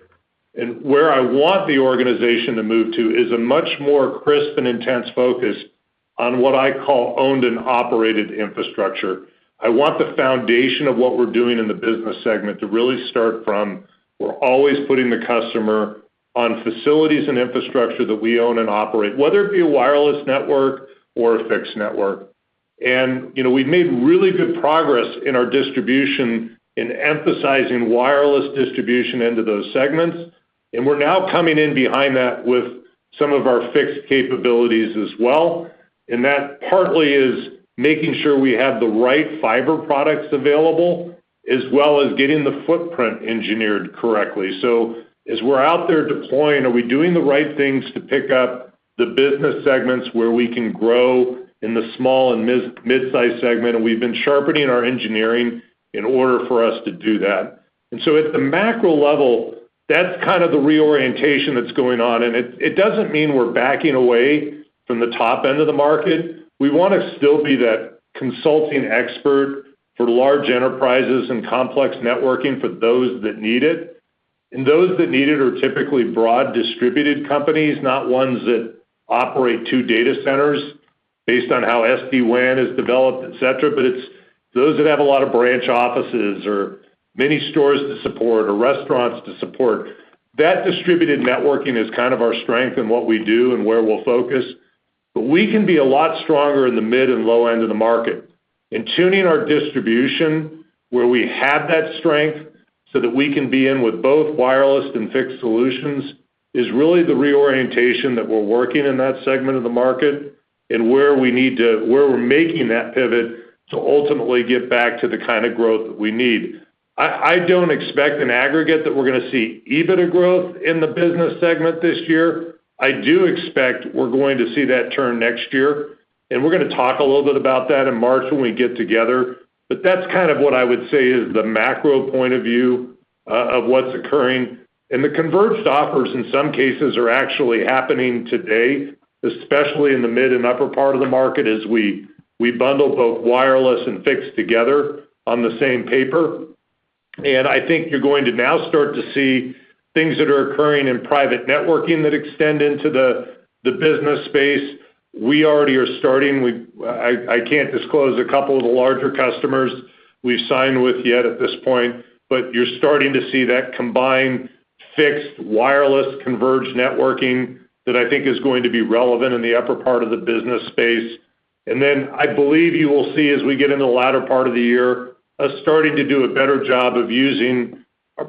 Where I want the organization to move to is a much more crisp and intense focus on what I call owned and operated infrastructure. I want the foundation of what we're doing in the business segment to really start from, we're always putting the customer on facilities and infrastructure that we own and operate, whether it be a wireless network or a fixed network. You know, we've made really good progress in our distribution in emphasizing wireless distribution into those segments. We're now coming in behind that with some of our fixed capabilities as well. That partly is making sure we have the right fiber products available, as well as getting the footprint engineered correctly. As we're out there deploying, are we doing the right things to pick up the business segments where we can grow in the small and mid-sized segment? We've been sharpening our engineering in order for us to do that. At the macro level, that's kind of the reorientation that's going on. It doesn't mean we're backing away from the top end of the market. We wanna still be that consulting expert for large enterprises and complex networking for those that need it. Those that need it are typically broadly distributed companies, not ones that operate two data centers based on how SD-WAN is developed, et cetera, but it's those that have a lot of branch offices or many stores to support or restaurants to support. That distributed networking is kind of our strength and what we do and where we'll focus. We can be a lot stronger in the mid and low end of the market. Tuning our distribution where we have that strength so that we can be in with both wireless and fixed solutions is really the reorientation that we're working in that segment of the market and where we're making that pivot to ultimately get back to the kind of growth that we need. I don't expect an aggregate that we're going to see EBITDA growth in the business segment this year. I do expect we're going to see that turn next year, and we're going to talk a little bit about that in March when we get together. That's kind of what I would say is the macro point of view of what's occurring. The converged offers, in some cases, are actually happening today, especially in the mid and upper part of the market, as we bundle both wireless and fixed together on the same paper. I think you're going to now start to see things that are occurring in private networking that extend into the business space. We already are starting. I can't disclose a couple of the larger customers we've signed with yet at this point, but you're starting to see that combined fixed wireless converged networking that I think is going to be relevant in the upper part of the business space. I believe you will see, as we get in the latter part of the year, us starting to do a better job of using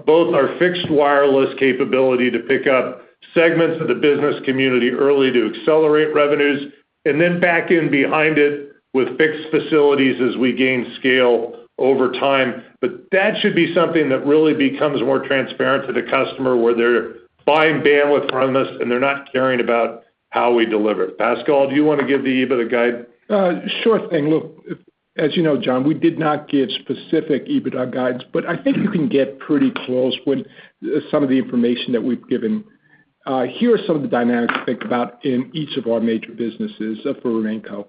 both our fixed wireless capability to pick up segments of the business community early to accelerate revenues and then back in behind it with fixed facilities as we gain scale over time. That should be something that really becomes more transparent to the customer, where they're buying bandwidth from us, and they're not caring about how we deliver it. Pascal, do you wanna give the EBITDA guide? Sure thing. Look, as you know, John, we did not give specific EBITDA guides, but I think you can get pretty close with some of the information that we've given. Here are some of the dynamics to think about in each of our major businesses for RemainCo.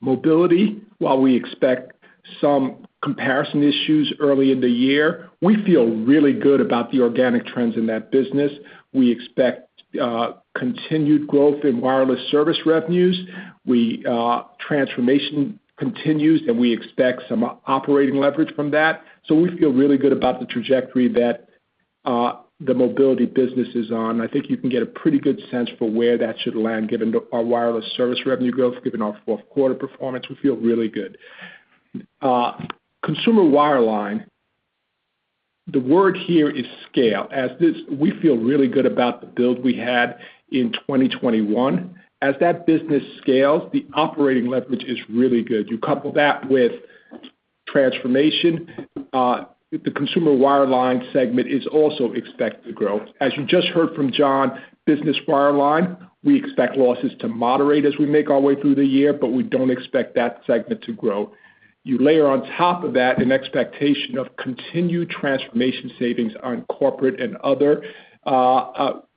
Mobility, while we expect some comparison issues early in the year, we feel really good about the organic trends in that business. We expect continued growth in wireless service revenues. Transformation continues, and we expect some operating leverage from that. We feel really good about the trajectory that the mobility business is on. I think you can get a pretty good sense for where that should land given our wireless service revenue growth, given our Q4 performance. We feel really good. Consumer Wireline, the word here is scale. We feel really good about the build we had in 2021. As that business scales, the operating leverage is really good. You couple that with transformation. The Consumer Wireline segment is also expected to grow. As you just heard from John, Business Wireline, we expect losses to moderate as we make our way through the year, but we don't expect that segment to grow. You layer on top of that an expectation of continued transformation savings on Corporate and Other,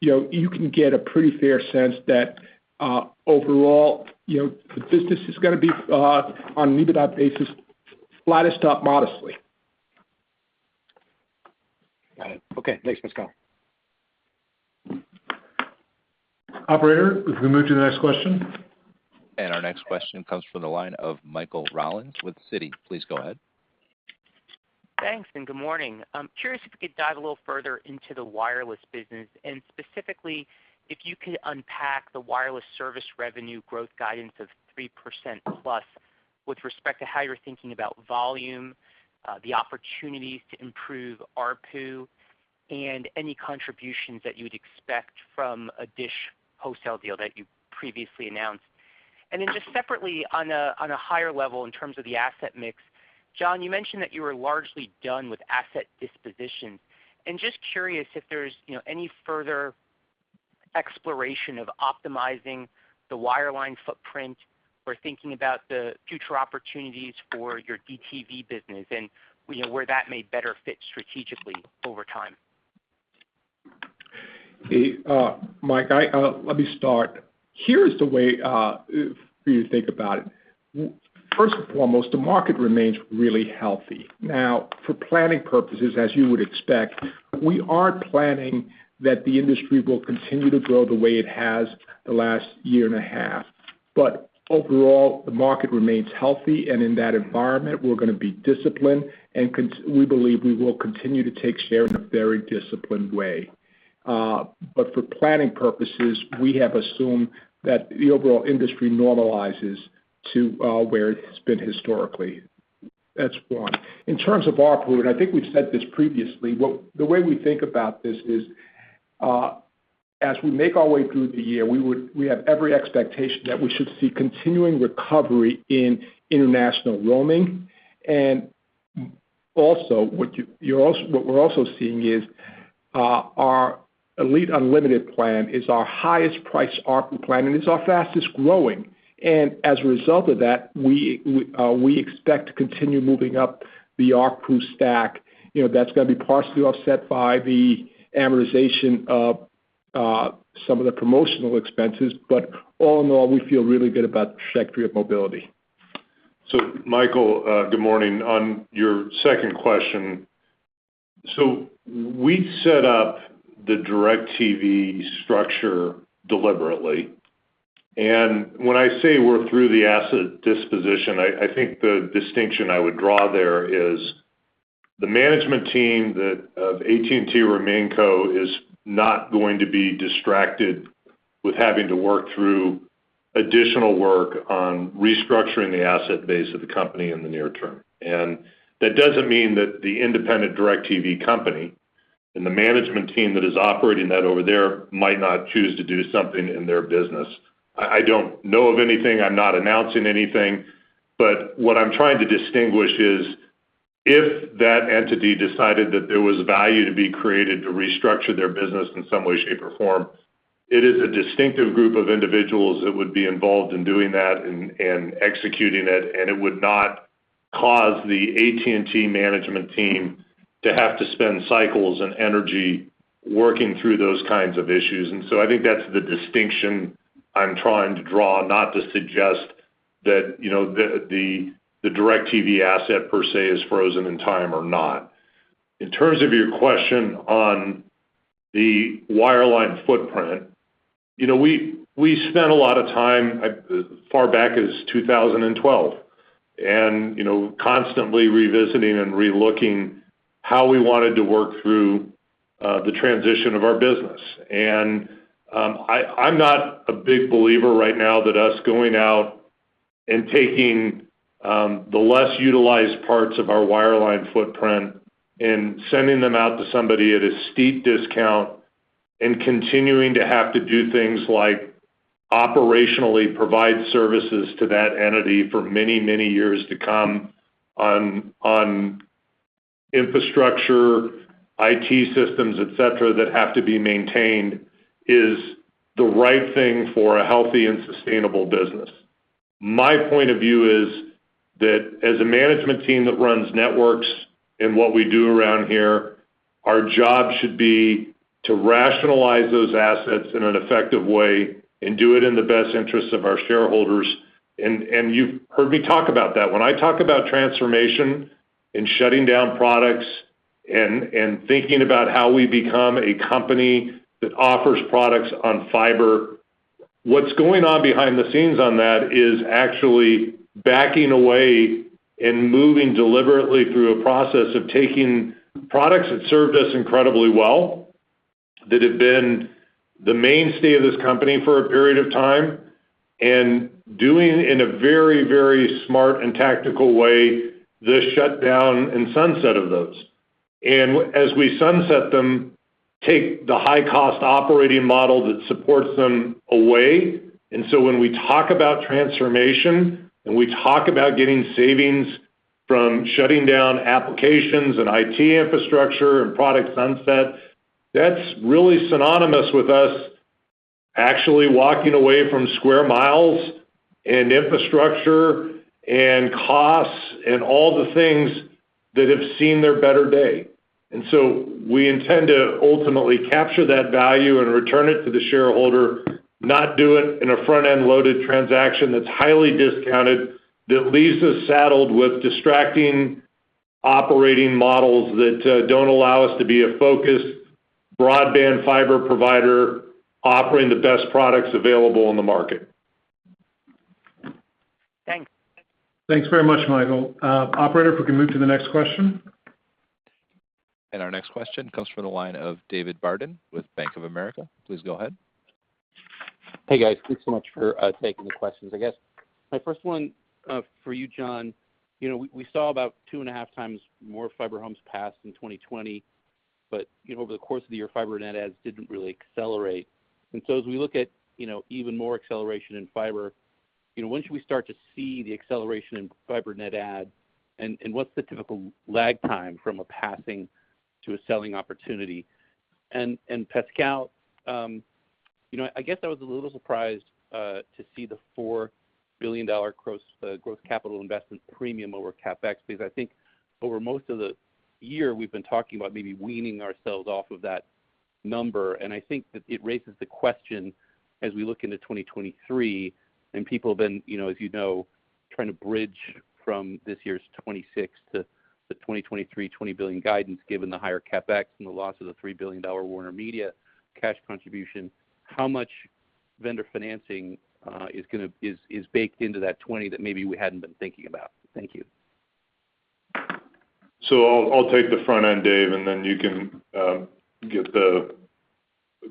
you know, you can get a pretty fair sense that, overall, you know, the business is going to be, on an EBITDA basis, flattish to up modestly. Got it. Okay. Thanks, Pascal. Operator, if we can move to the next question. Thanks, good morning. I'm curious if you could dive a little further into the wireless business, and specifically, if you could unpack the wireless service revenue growth guidance of greater than 3% with respect to how you're thinking about volume, the opportunities to improve ARPU, and any contributions that you would expect from a DISH wholesale deal that you previously announced. Just separately, on a higher level in terms of the asset mix, John Stankey, you mentioned that you were largely done with asset dispositions. Just curious if there's, you know, any further exploration of optimizing the wireline footprint or thinking about the future opportunities for your DirecTV business and, you know, where that may better fit strategically over time. Hey, Michael, let me start. Here's the way for you to think about it. First and foremost, the market remains really healthy. Now, for planning purposes, as you would expect, we aren't planning that the industry will continue to grow the way it has the last year and a half. Overall, the market remains healthy, and in that environment, we're going to be disciplined, and we believe we will continue to take share in a very disciplined way. For planning purposes, we have assumed that the overall industry normalizes to where it has been historically. That's one. In terms of ARPU, and I think we've said this previously, the way we think about this is, as we make our way through the year, we have every expectation that we should see continuing recovery in international roaming. What we're also seeing is our Unlimited Elite plan is our highest priced ARPU plan, and it's our fastest growing. As a result of that, we expect to continue moving up the ARPU stack. You know, that's going to be partially offset by the amortization of some of the promotional expenses. All in all, we feel really good about the trajectory of mobility. Michael, good morning. On your second question, we set up the DirecTV structure deliberately, and when I say we're through the asset disposition, I think the distinction I would draw there is the management team that of AT&T RemainCo is not going to be distracted with having to work through additional work on restructuring the asset base of the company in the near term. That doesn't mean that the independent DirecTV company and the management team that is operating that over there might not choose to do something in their business. I don't know of anything. I'm not announcing anything. What I'm trying to distinguish is if that entity decided that there was value to be created to restructure their business in some way, shape, or form, it is a distinctive group of individuals that would be involved in doing that and executing it, and it would not cause the AT&T management team to have to spend cycles and energy working through those kinds of issues. I think that's the distinction I'm trying to draw, not to suggest that, you know, the DirecTV asset per se is frozen in time or not. In terms of your question on the wireline footprint, you know, we spent a lot of time as far back as 2012 and, you know, constantly revisiting and relooking how we wanted to work through the transition of our business. I'm not a big believer right now that us going out and taking the less utilized parts of our wireline footprint and sending them out to somebody at a steep discount and continuing to have to do things like operationally provide services to that entity for many years to come on infrastructure, IT systems, et cetera, that have to be maintained is the right thing for a healthy and sustainable business. My point of view is that as a management team that runs networks and what we do around here, our job should be to rationalize those assets in an effective way and do it in the best interest of our shareholders and you've heard me talk about that. When I talk about transformation and shutting down products and thinking about how we become a company that offers products on fiber, what's going on behind the scenes on that is actually backing away and moving deliberately through a process of taking products that served us incredibly well, that have been the mainstay of this company for a period of time, and doing in a very, very smart and tactical way, the shutdown and sunset of those. As we sunset them, take the high cost operating model that supports them away. When we talk about transformation, and we talk about getting savings from shutting down applications and IT infrastructure and product sunset, that's really synonymous with us actually walking away from square miles and infrastructure and costs and all the things that have seen their better day. We intend to ultimately capture that value and return it to the shareholder, not do it in a front-end loaded transaction that's highly discounted, that leaves us saddled with distracting operating models that don't allow us to be a focused broadband fiber provider offering the best products available in the market. Thanks. Thanks very much, Michael. Operator, if we can move to the next question. Hey, guys. Thanks so much for taking the questions. I guess my first one for you, John, you know, we saw about 2.5 times more fiber homes passed in 2020, but, you know, over the course of the year, fiber net adds didn't really accelerate. As we look at, you know, even more acceleration in fiber, you know, when should we start to see the acceleration in fiber net add, and what's the typical lag time from a passing to a selling opportunity? Pascal, you know, I guess I was a little surprised to see the $4 billion growth capital investment premium over CapEx, because I think over most of the year, we've been talking about maybe weaning ourselves off of that number. I think that it raises the question as we look into 2023, and people have been, you know, as you know, trying to bridge from this year's 26 to the 2023, $20 billion guidance, given the higher CapEx and the loss of the $3 billion WarnerMedia cash contribution, how much vendor financing is going to be baked into that 20 that maybe we hadn't been thinking about? Thank you. I'll take the front end, Dave, and then you can get the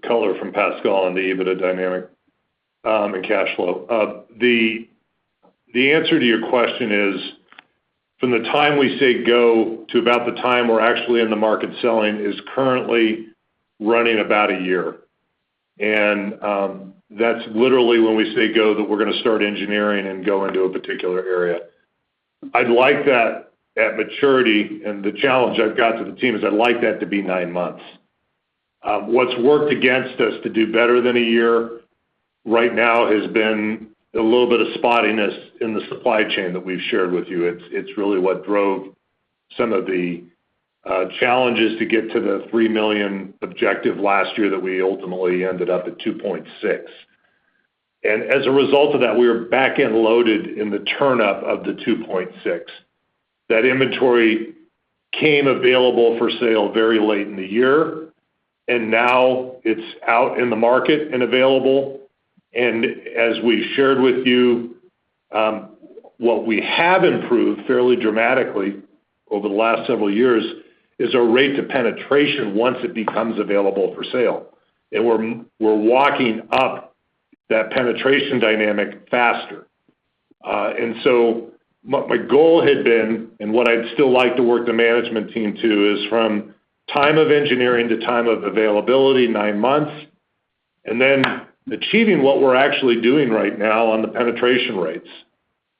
color from Pascal on the EBITDA dynamic and cash flow. The answer to your question is, from the time we say go to about the time we're actually in the market selling is currently running about a year. That's literally when we say go, that we're going to start engineering and go into a particular area. I'd like that maturity, and the challenge I've got to the team is I'd like that to be nine months. What's worked against us to do better than a year right now has been a little bit of spottiness in the supply chain that we've shared with you. It's really what drove some of the challenges to get to the 3 million objective last year that we ultimately ended up at 2.6. As a result of that, we were back-end loaded in the turn-up of the 2.6. That inventory came available for sale very late in the year, and now it's out in the market and available. As we shared with you, what we have improved fairly dramatically over the last several years is our rate to penetration once it becomes available for sale. We're walking up that penetration dynamic faster. My goal had been, and what I'd still like to work the management team to, is from time of engineering to time of availability, 9 months, and then achieving what we're actually doing right now on the penetration rates.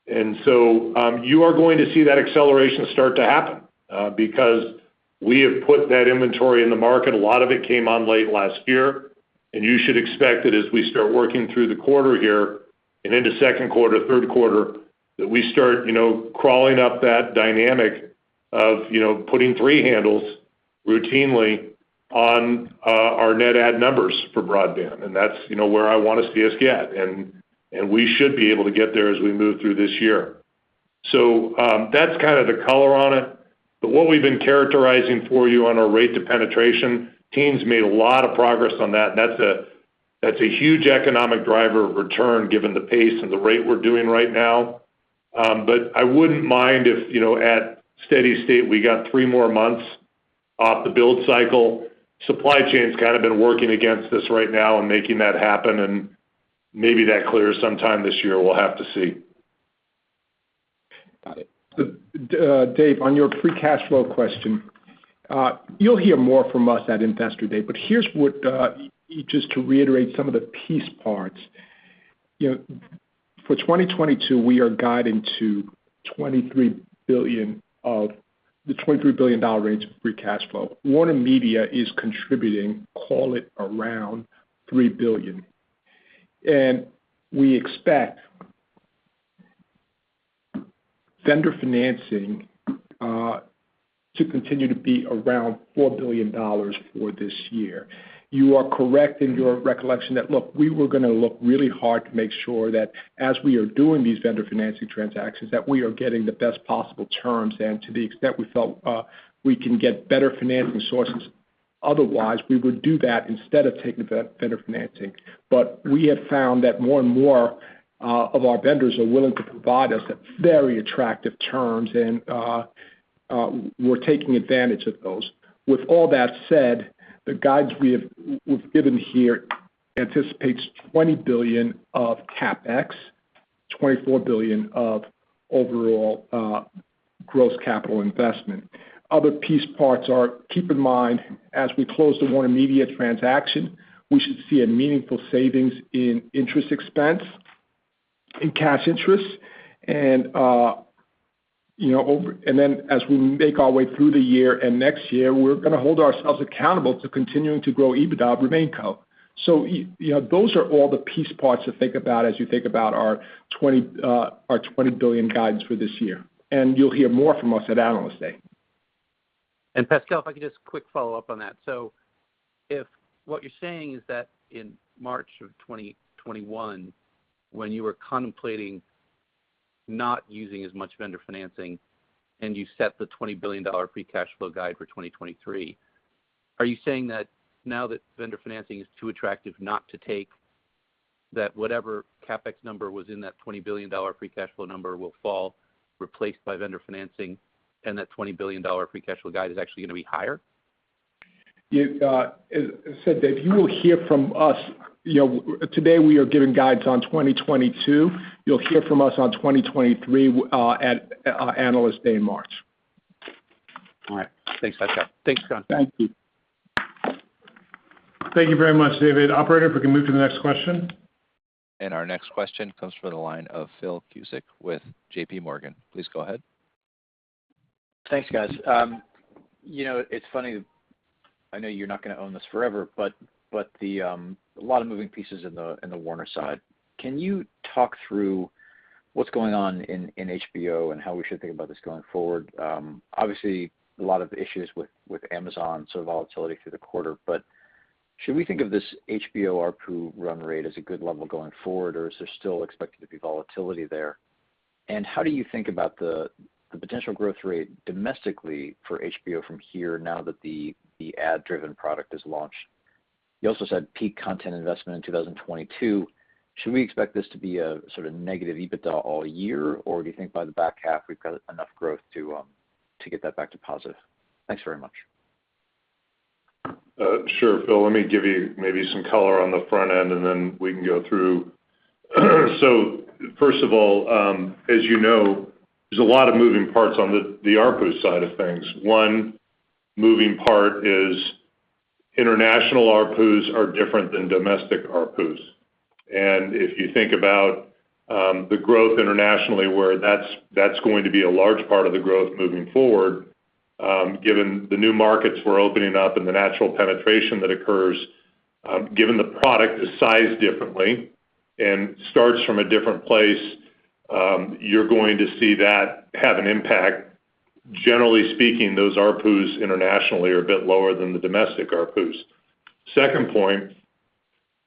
You are going to see that acceleration start to happen because we have put that inventory in the market. A lot of it came on late last year, and you should expect it as we start working through the quarter here and into Q2, Q3, that we start, you know, crawling up that dynamic of, you know, putting three handles routinely on our net add numbers for broadband. And that's, you know, where I wanna see us get, and we should be able to get there as we move through this year. That's kind of the color on it. But what we've been characterizing for you on our rate to penetration, teams made a lot of progress on that, and that's a huge economic driver of return given the pace and the rate we're doing right now. I wouldn't mind if, you know, at steady state, we got three more months off the build cycle. Supply chain's kinda been working against us right now and making that happen, and maybe that clears sometime this year. We'll have to see. Got it. Dave, on your free cash flow question, you'll hear more from us at Investor Day, but here's what, just to reiterate some of the piece parts. You know, for 2022, we are guiding to the $23 billion range of free cash flow. WarnerMedia is contributing, call it, around $3 billion. We expect vendor financing to continue to be around $4 billion for this year. You are correct in your recollection that, look, we were going to look really hard to make sure that as we are doing these vendor financing transactions, that we are getting the best possible terms. To the extent we felt, we can get better financing sources, otherwise we would do that instead of taking the vendor financing. We have found that more and more of our vendors are willing to provide us at very attractive terms, and we're taking advantage of those. With all that said, the guides we have, we've given here anticipates $20 billion of CapEx. $24 billion of overall, gross capital investment. Other piece parts are. Keep in mind, as we close the WarnerMedia transaction, we should see a meaningful savings in interest expense, in cash interest. And you know, and then as we make our way through the year and next year, we're going to hold ourselves accountable to continuing to grow EBITDA of RemainCo. So you know, those are all the piece parts to think about as you think about our $20 billion guidance for this year. And you'll hear more from us at Analyst Day. Pascal, if I could just quick follow up on that. If what you're saying is that in March of 2021, when you were contemplating not using as much vendor financing and you set the $20 billion free cash flow guide for 2023, are you saying that now that vendor financing is too attractive not to take, that whatever CapEx number was in that $20 billion free cash flow number will fall, replaced by vendor financing, and that $20 billion free cash flow guide is actually going to be higher? As I said, Dave, you will hear from us. You know, today, we are giving guidance on 2022. You'll hear from us on 2023 at Analyst Day in March. All right. Thanks, Pascal. Thanks, John. Thank you. Thank you very much, David. Operator, if we can move to the next question. Thanks, guys. You know, it's funny, I know you're not going to own this forever, but there's a lot of moving pieces in the Warner side. Can you talk through what's going on in HBO and how we should think about this going forward? Obviously, a lot of issues with Amazon, so volatility through the quarter. But should we think of this HBO ARPU run rate as a good level going forward, or is there still expected to be volatility there? And how do you think about the potential growth rate domestically for HBO from here now that the ad-driven product is launched? You also said peak content investment in 2022. Should we expect this to be a sort of negative EBITDA all year? Do you think by the back half, we've got enough growth to get that back to positive? Thanks very much. Sure, Phil, let me give you maybe some color on the front end, and then we can go through. First of all, as you know, there's a lot of moving parts on the ARPU side of things. One moving part is international ARPUs are different than domestic ARPUs. If you think about the growth internationally, where that's going to be a large part of the growth moving forward, given the new markets we're opening up and the natural penetration that occurs, given the product is sized differently and starts from a different place, you're going to see that have an impact. Generally speaking, those ARPUs internationally are a bit lower than the domestic ARPUs. Second point,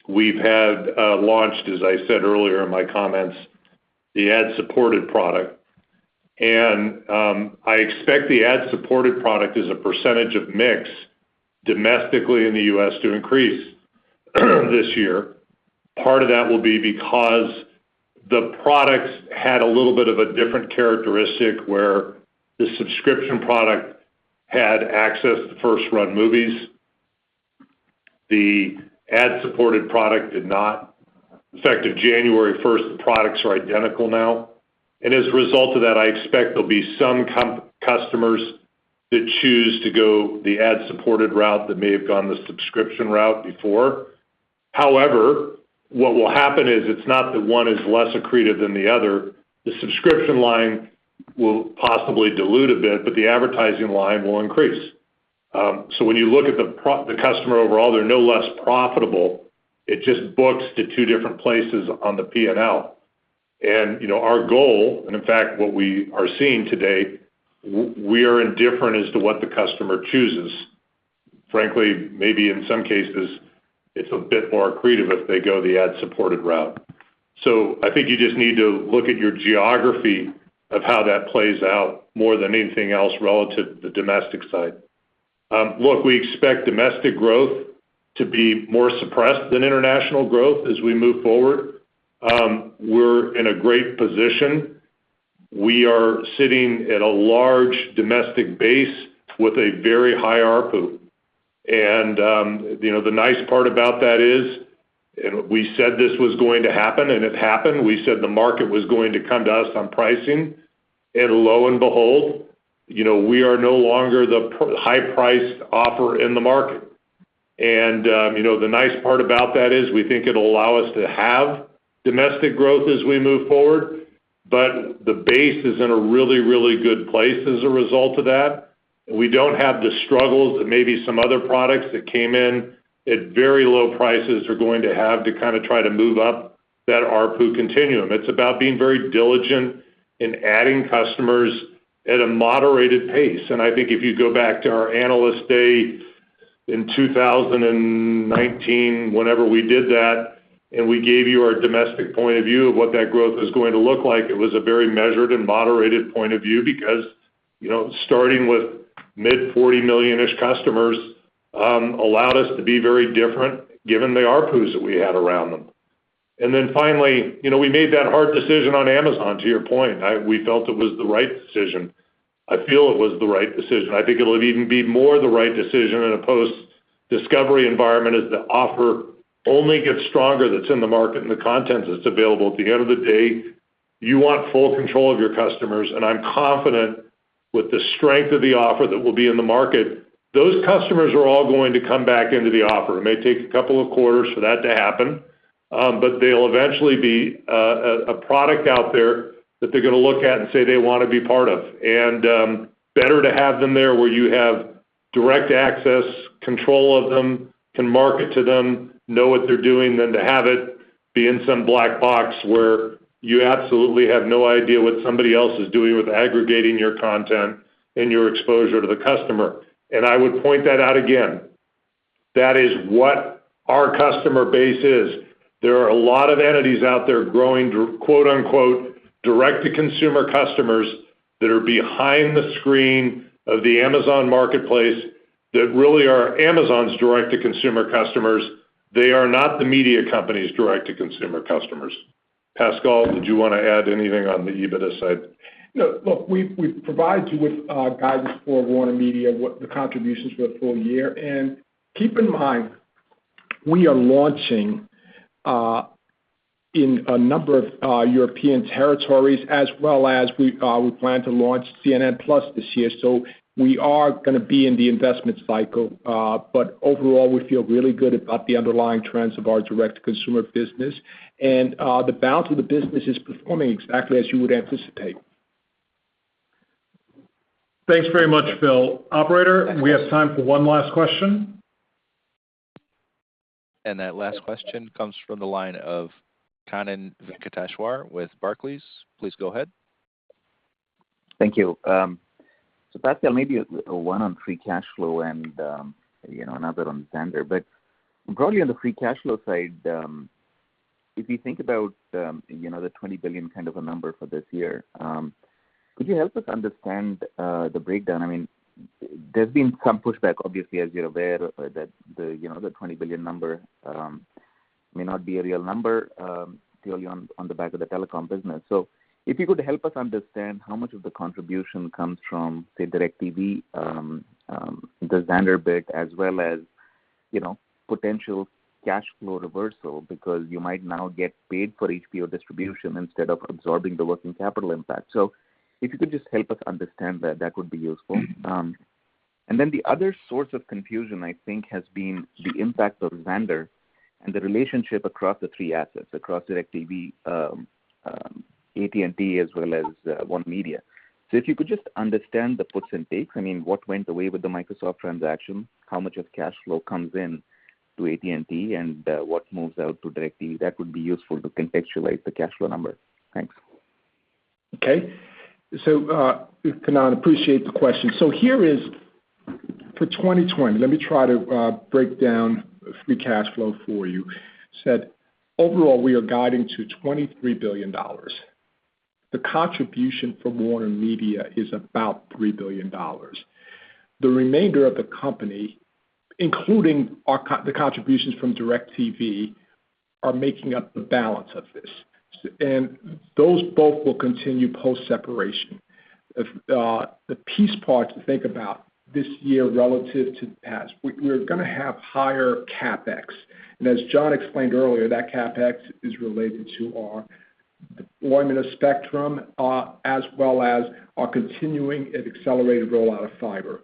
we've launched, as I said earlier in my comments, the ad-supported product. I expect the ad-supported product as a percentage of mix domestically in the US to increase this year. Part of that will be because the products had a little bit of a different characteristic, where the subscription product had access to first-run movies. The ad-supported product did not. Effective January first, the products are identical now. As a result of that, I expect there'll be some customers that choose to go the ad-supported route that may have gone the subscription route before. However, what will happen is it's not that one is less accretive than the other. The subscription line will possibly dilute a bit, but the advertising line will increase. So when you look at the customer overall, they're no less profitable. It just books to two different places on the P&L. You know, our goal, and in fact, what we are seeing today, we are indifferent as to what the customer chooses. Frankly, maybe in some cases, it's a bit more accretive if they go the ad-supported route. I think you just need to look at your geography of how that plays out more than anything else relative to the domestic side. Look, we expect domestic growth to be more suppressed than international growth as we move forward. We're in a great position. We are sitting at a large domestic base with a very high ARPU. You know, the nice part about that is, and we said this was going to happen, and it happened. We said the market was going to come to us on pricing. Lo and behold, you know, we are no longer the high-priced offer in the market. You know, the nice part about that is we think it'll allow us to have domestic growth as we move forward. The base is in a really, really good place as a result of that. We don't have the struggles that maybe some other products that came in at very low prices are going to have to kinda try to move up that ARPU continuum. It's about being very diligent in adding customers at a moderated pace. I think if you go back to our Analyst Day in 2019, whenever we did that, and we gave you our domestic point of view of what that growth is going to look like, it was a very measured and moderated point of view. Because, you know, starting with mid-40 million-ish customers allowed us to be very different given the ARPUs that we had around them. Finally, you know, we made that hard decision on Amazon, to your point. We felt it was the right decision. I feel it was the right decision. I think it'll even be more the right decision in a post-Discovery environment as the offer only gets stronger that's in the market and the content that's available. At the end of the day, you want full control of your customers, and I'm confident with the strength of the offer that will be in the market, those customers are all going to come back into the offer. It may take a couple of quarters for that to happen, but they'll eventually be a product out there that they're going to look at and say they wanna be part of. Better to have them there where you have direct access, control of them, can market to them, know what they're doing, than to have it be in some black box where you absolutely have no idea what somebody else is doing with aggregating your content and your exposure to the customer. I would point that out again. That is what our customer base is. There are a lot of entities out there growing, quote-unquote, "direct to consumer customers" that are behind the screen of the Amazon Marketplace that really are Amazon's direct to consumer customers. They are not the media company's direct to consumer customers. Pascal, did you wanna add anything on the EBITDA side? No. Look, we provide you with guidance for WarnerMedia, what the contributions for the full year. Keep in mind, we are launching in a number of European territories as well as we plan to launch CNN+ this year. We are going to be in the investment cycle. Overall, we feel really good about the underlying trends of our direct to consumer business. The balance of the business is performing exactly as you would anticipate. Thanks very much, Phil. Operator, we have time for one last question. Thank you. Pascal, maybe one on free cash flow and, you know, another on Xandr. Probably on the free cash flow side, if you think about, you know, the $20 billion kind of a number for this year, could you help us understand the breakdown? I mean, there's been some pushback, obviously, as you're aware that the, you know, the $20 billion number may not be a real number, purely on the back of the telecom business. If you could help us understand how much of the contribution comes from, say, DirecTV, the Xandr bit, as well as, you know, potential cash flow reversal because you might now get paid for HBO distribution instead of absorbing the working capital impact. If you could just help us understand that would be useful. The other source of confusion, I think, has been the impact of Xandr and the relationship across the three assets, across DirecTV, AT&T as well as WarnerMedia. If you could just understand the puts and takes, I mean, what went away with the Microsoft transaction, how much of cash flow comes in to AT&T and what moves out to DirecTV, that would be useful to contextualize the cash flow number. Thanks. Okay. Kannan, appreciate the question. Here is for 2020, let me try to break down free cash flow for you. Overall, we are guiding to $23 billion. The contribution from WarnerMedia is about $3 billion. The remainder of the company, including the contributions from DirecTV, are making up the balance of this. Those both will continue post-separation. The key part to think about this year relative to the past, we're going to have higher CapEx. As John explained earlier, that CapEx is related to our deployment of spectrum, as well as our continuing and accelerated rollout of fiber.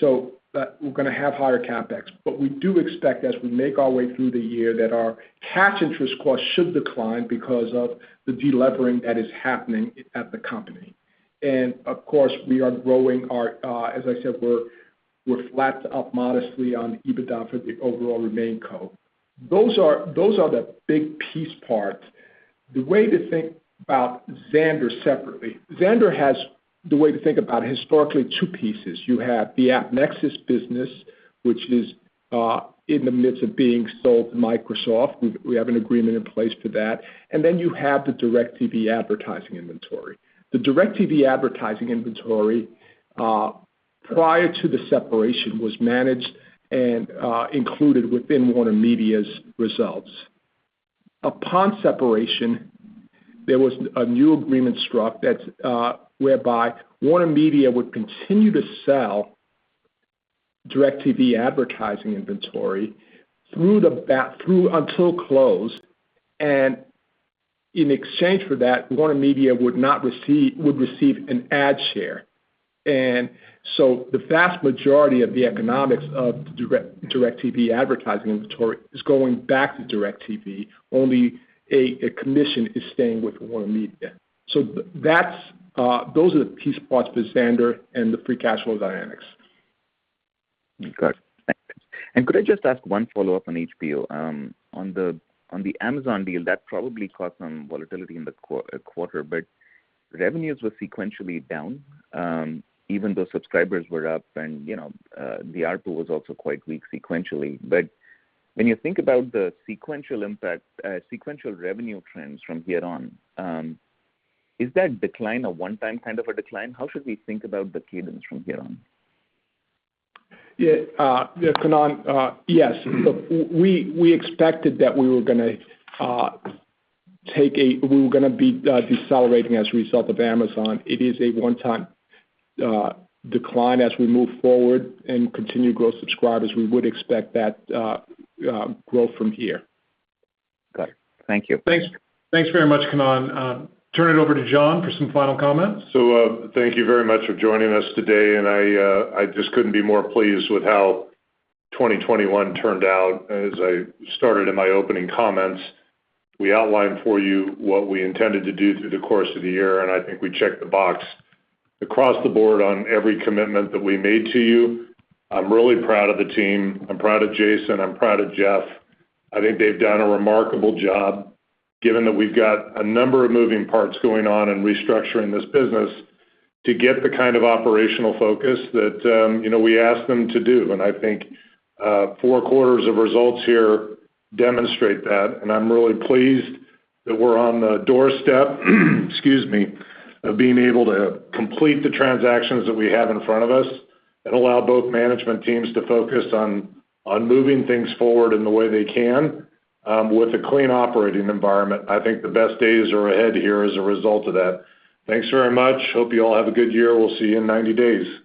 That we're going to have higher CapEx. We do expect, as we make our way through the year, that our cash interest costs should decline because of the delevering that is happening at the company. Of course, we are growing our, as I said, we're flat to up modestly on EBITDA for the overall RemainCo. Those are the big piece parts. The way to think about Xandr separately, Xandr has, the way to think about historically, two pieces. You have the AppNexus business, which is in the midst of being sold to Microsoft. We have an agreement in place for that. Then you have the DirecTV advertising inventory. The DirecTV advertising inventory, prior to the separation, was managed and included within WarnerMedia's results. Upon separation, there was a new agreement struck that's whereby WarnerMedia would continue to sell DirecTV advertising inventory through until close. In exchange for that, WarnerMedia would receive an ad share. The vast majority of the economics of DirecTV advertising inventory is going back to DirecTV, only a commission is staying with WarnerMedia. Those are the piece parts for Xandr and the free cash flow dynamics. Got it. Thanks. Could I just ask one follow-up on HBO? On the Amazon deal, that probably caused some volatility in the quarter, but revenues were sequentially down, even though subscribers were up and, you know, the ARPU was also quite weak sequentially. When you think about the sequential impact, sequential revenue trends from here on, is that decline a one-time kind of a decline? How should we think about the cadence from here on? Yeah. Yeah, Kannan, yes. Look, we expected that we were going to be decelerating as a result of Amazon. It is a one-time decline as we move forward and continue to grow subscribers. We would expect that growth from here. Got it. Thank you. Thanks very much, Kannan. Turn it over to John for some final comments. Thank you very much for joining us today, and I just couldn't be more pleased with how 2021 turned out. As I started in my opening comments, we outlined for you what we intended to do through the course of the year, and I think we checked the box across the board on every commitment that we made to you. I'm really proud of the team. I'm proud of Jason Kilar. I'm proud of Jeff McElfresh. I think they've done a remarkable job, given that we've got a number of moving parts going on in restructuring this business to get the kind of operational focus that you know we asked them to do. I think four quarters of results here demonstrate that, and I'm really pleased that we're on the doorstep, excuse me, of being able to complete the transactions that we have in front of us and allow both management teams to focus on moving things forward in the way they can with a clean operating environment. I think the best days are ahead here as a result of that. Thanks very much. Hope you all have a good year. We'll see you in 90 days.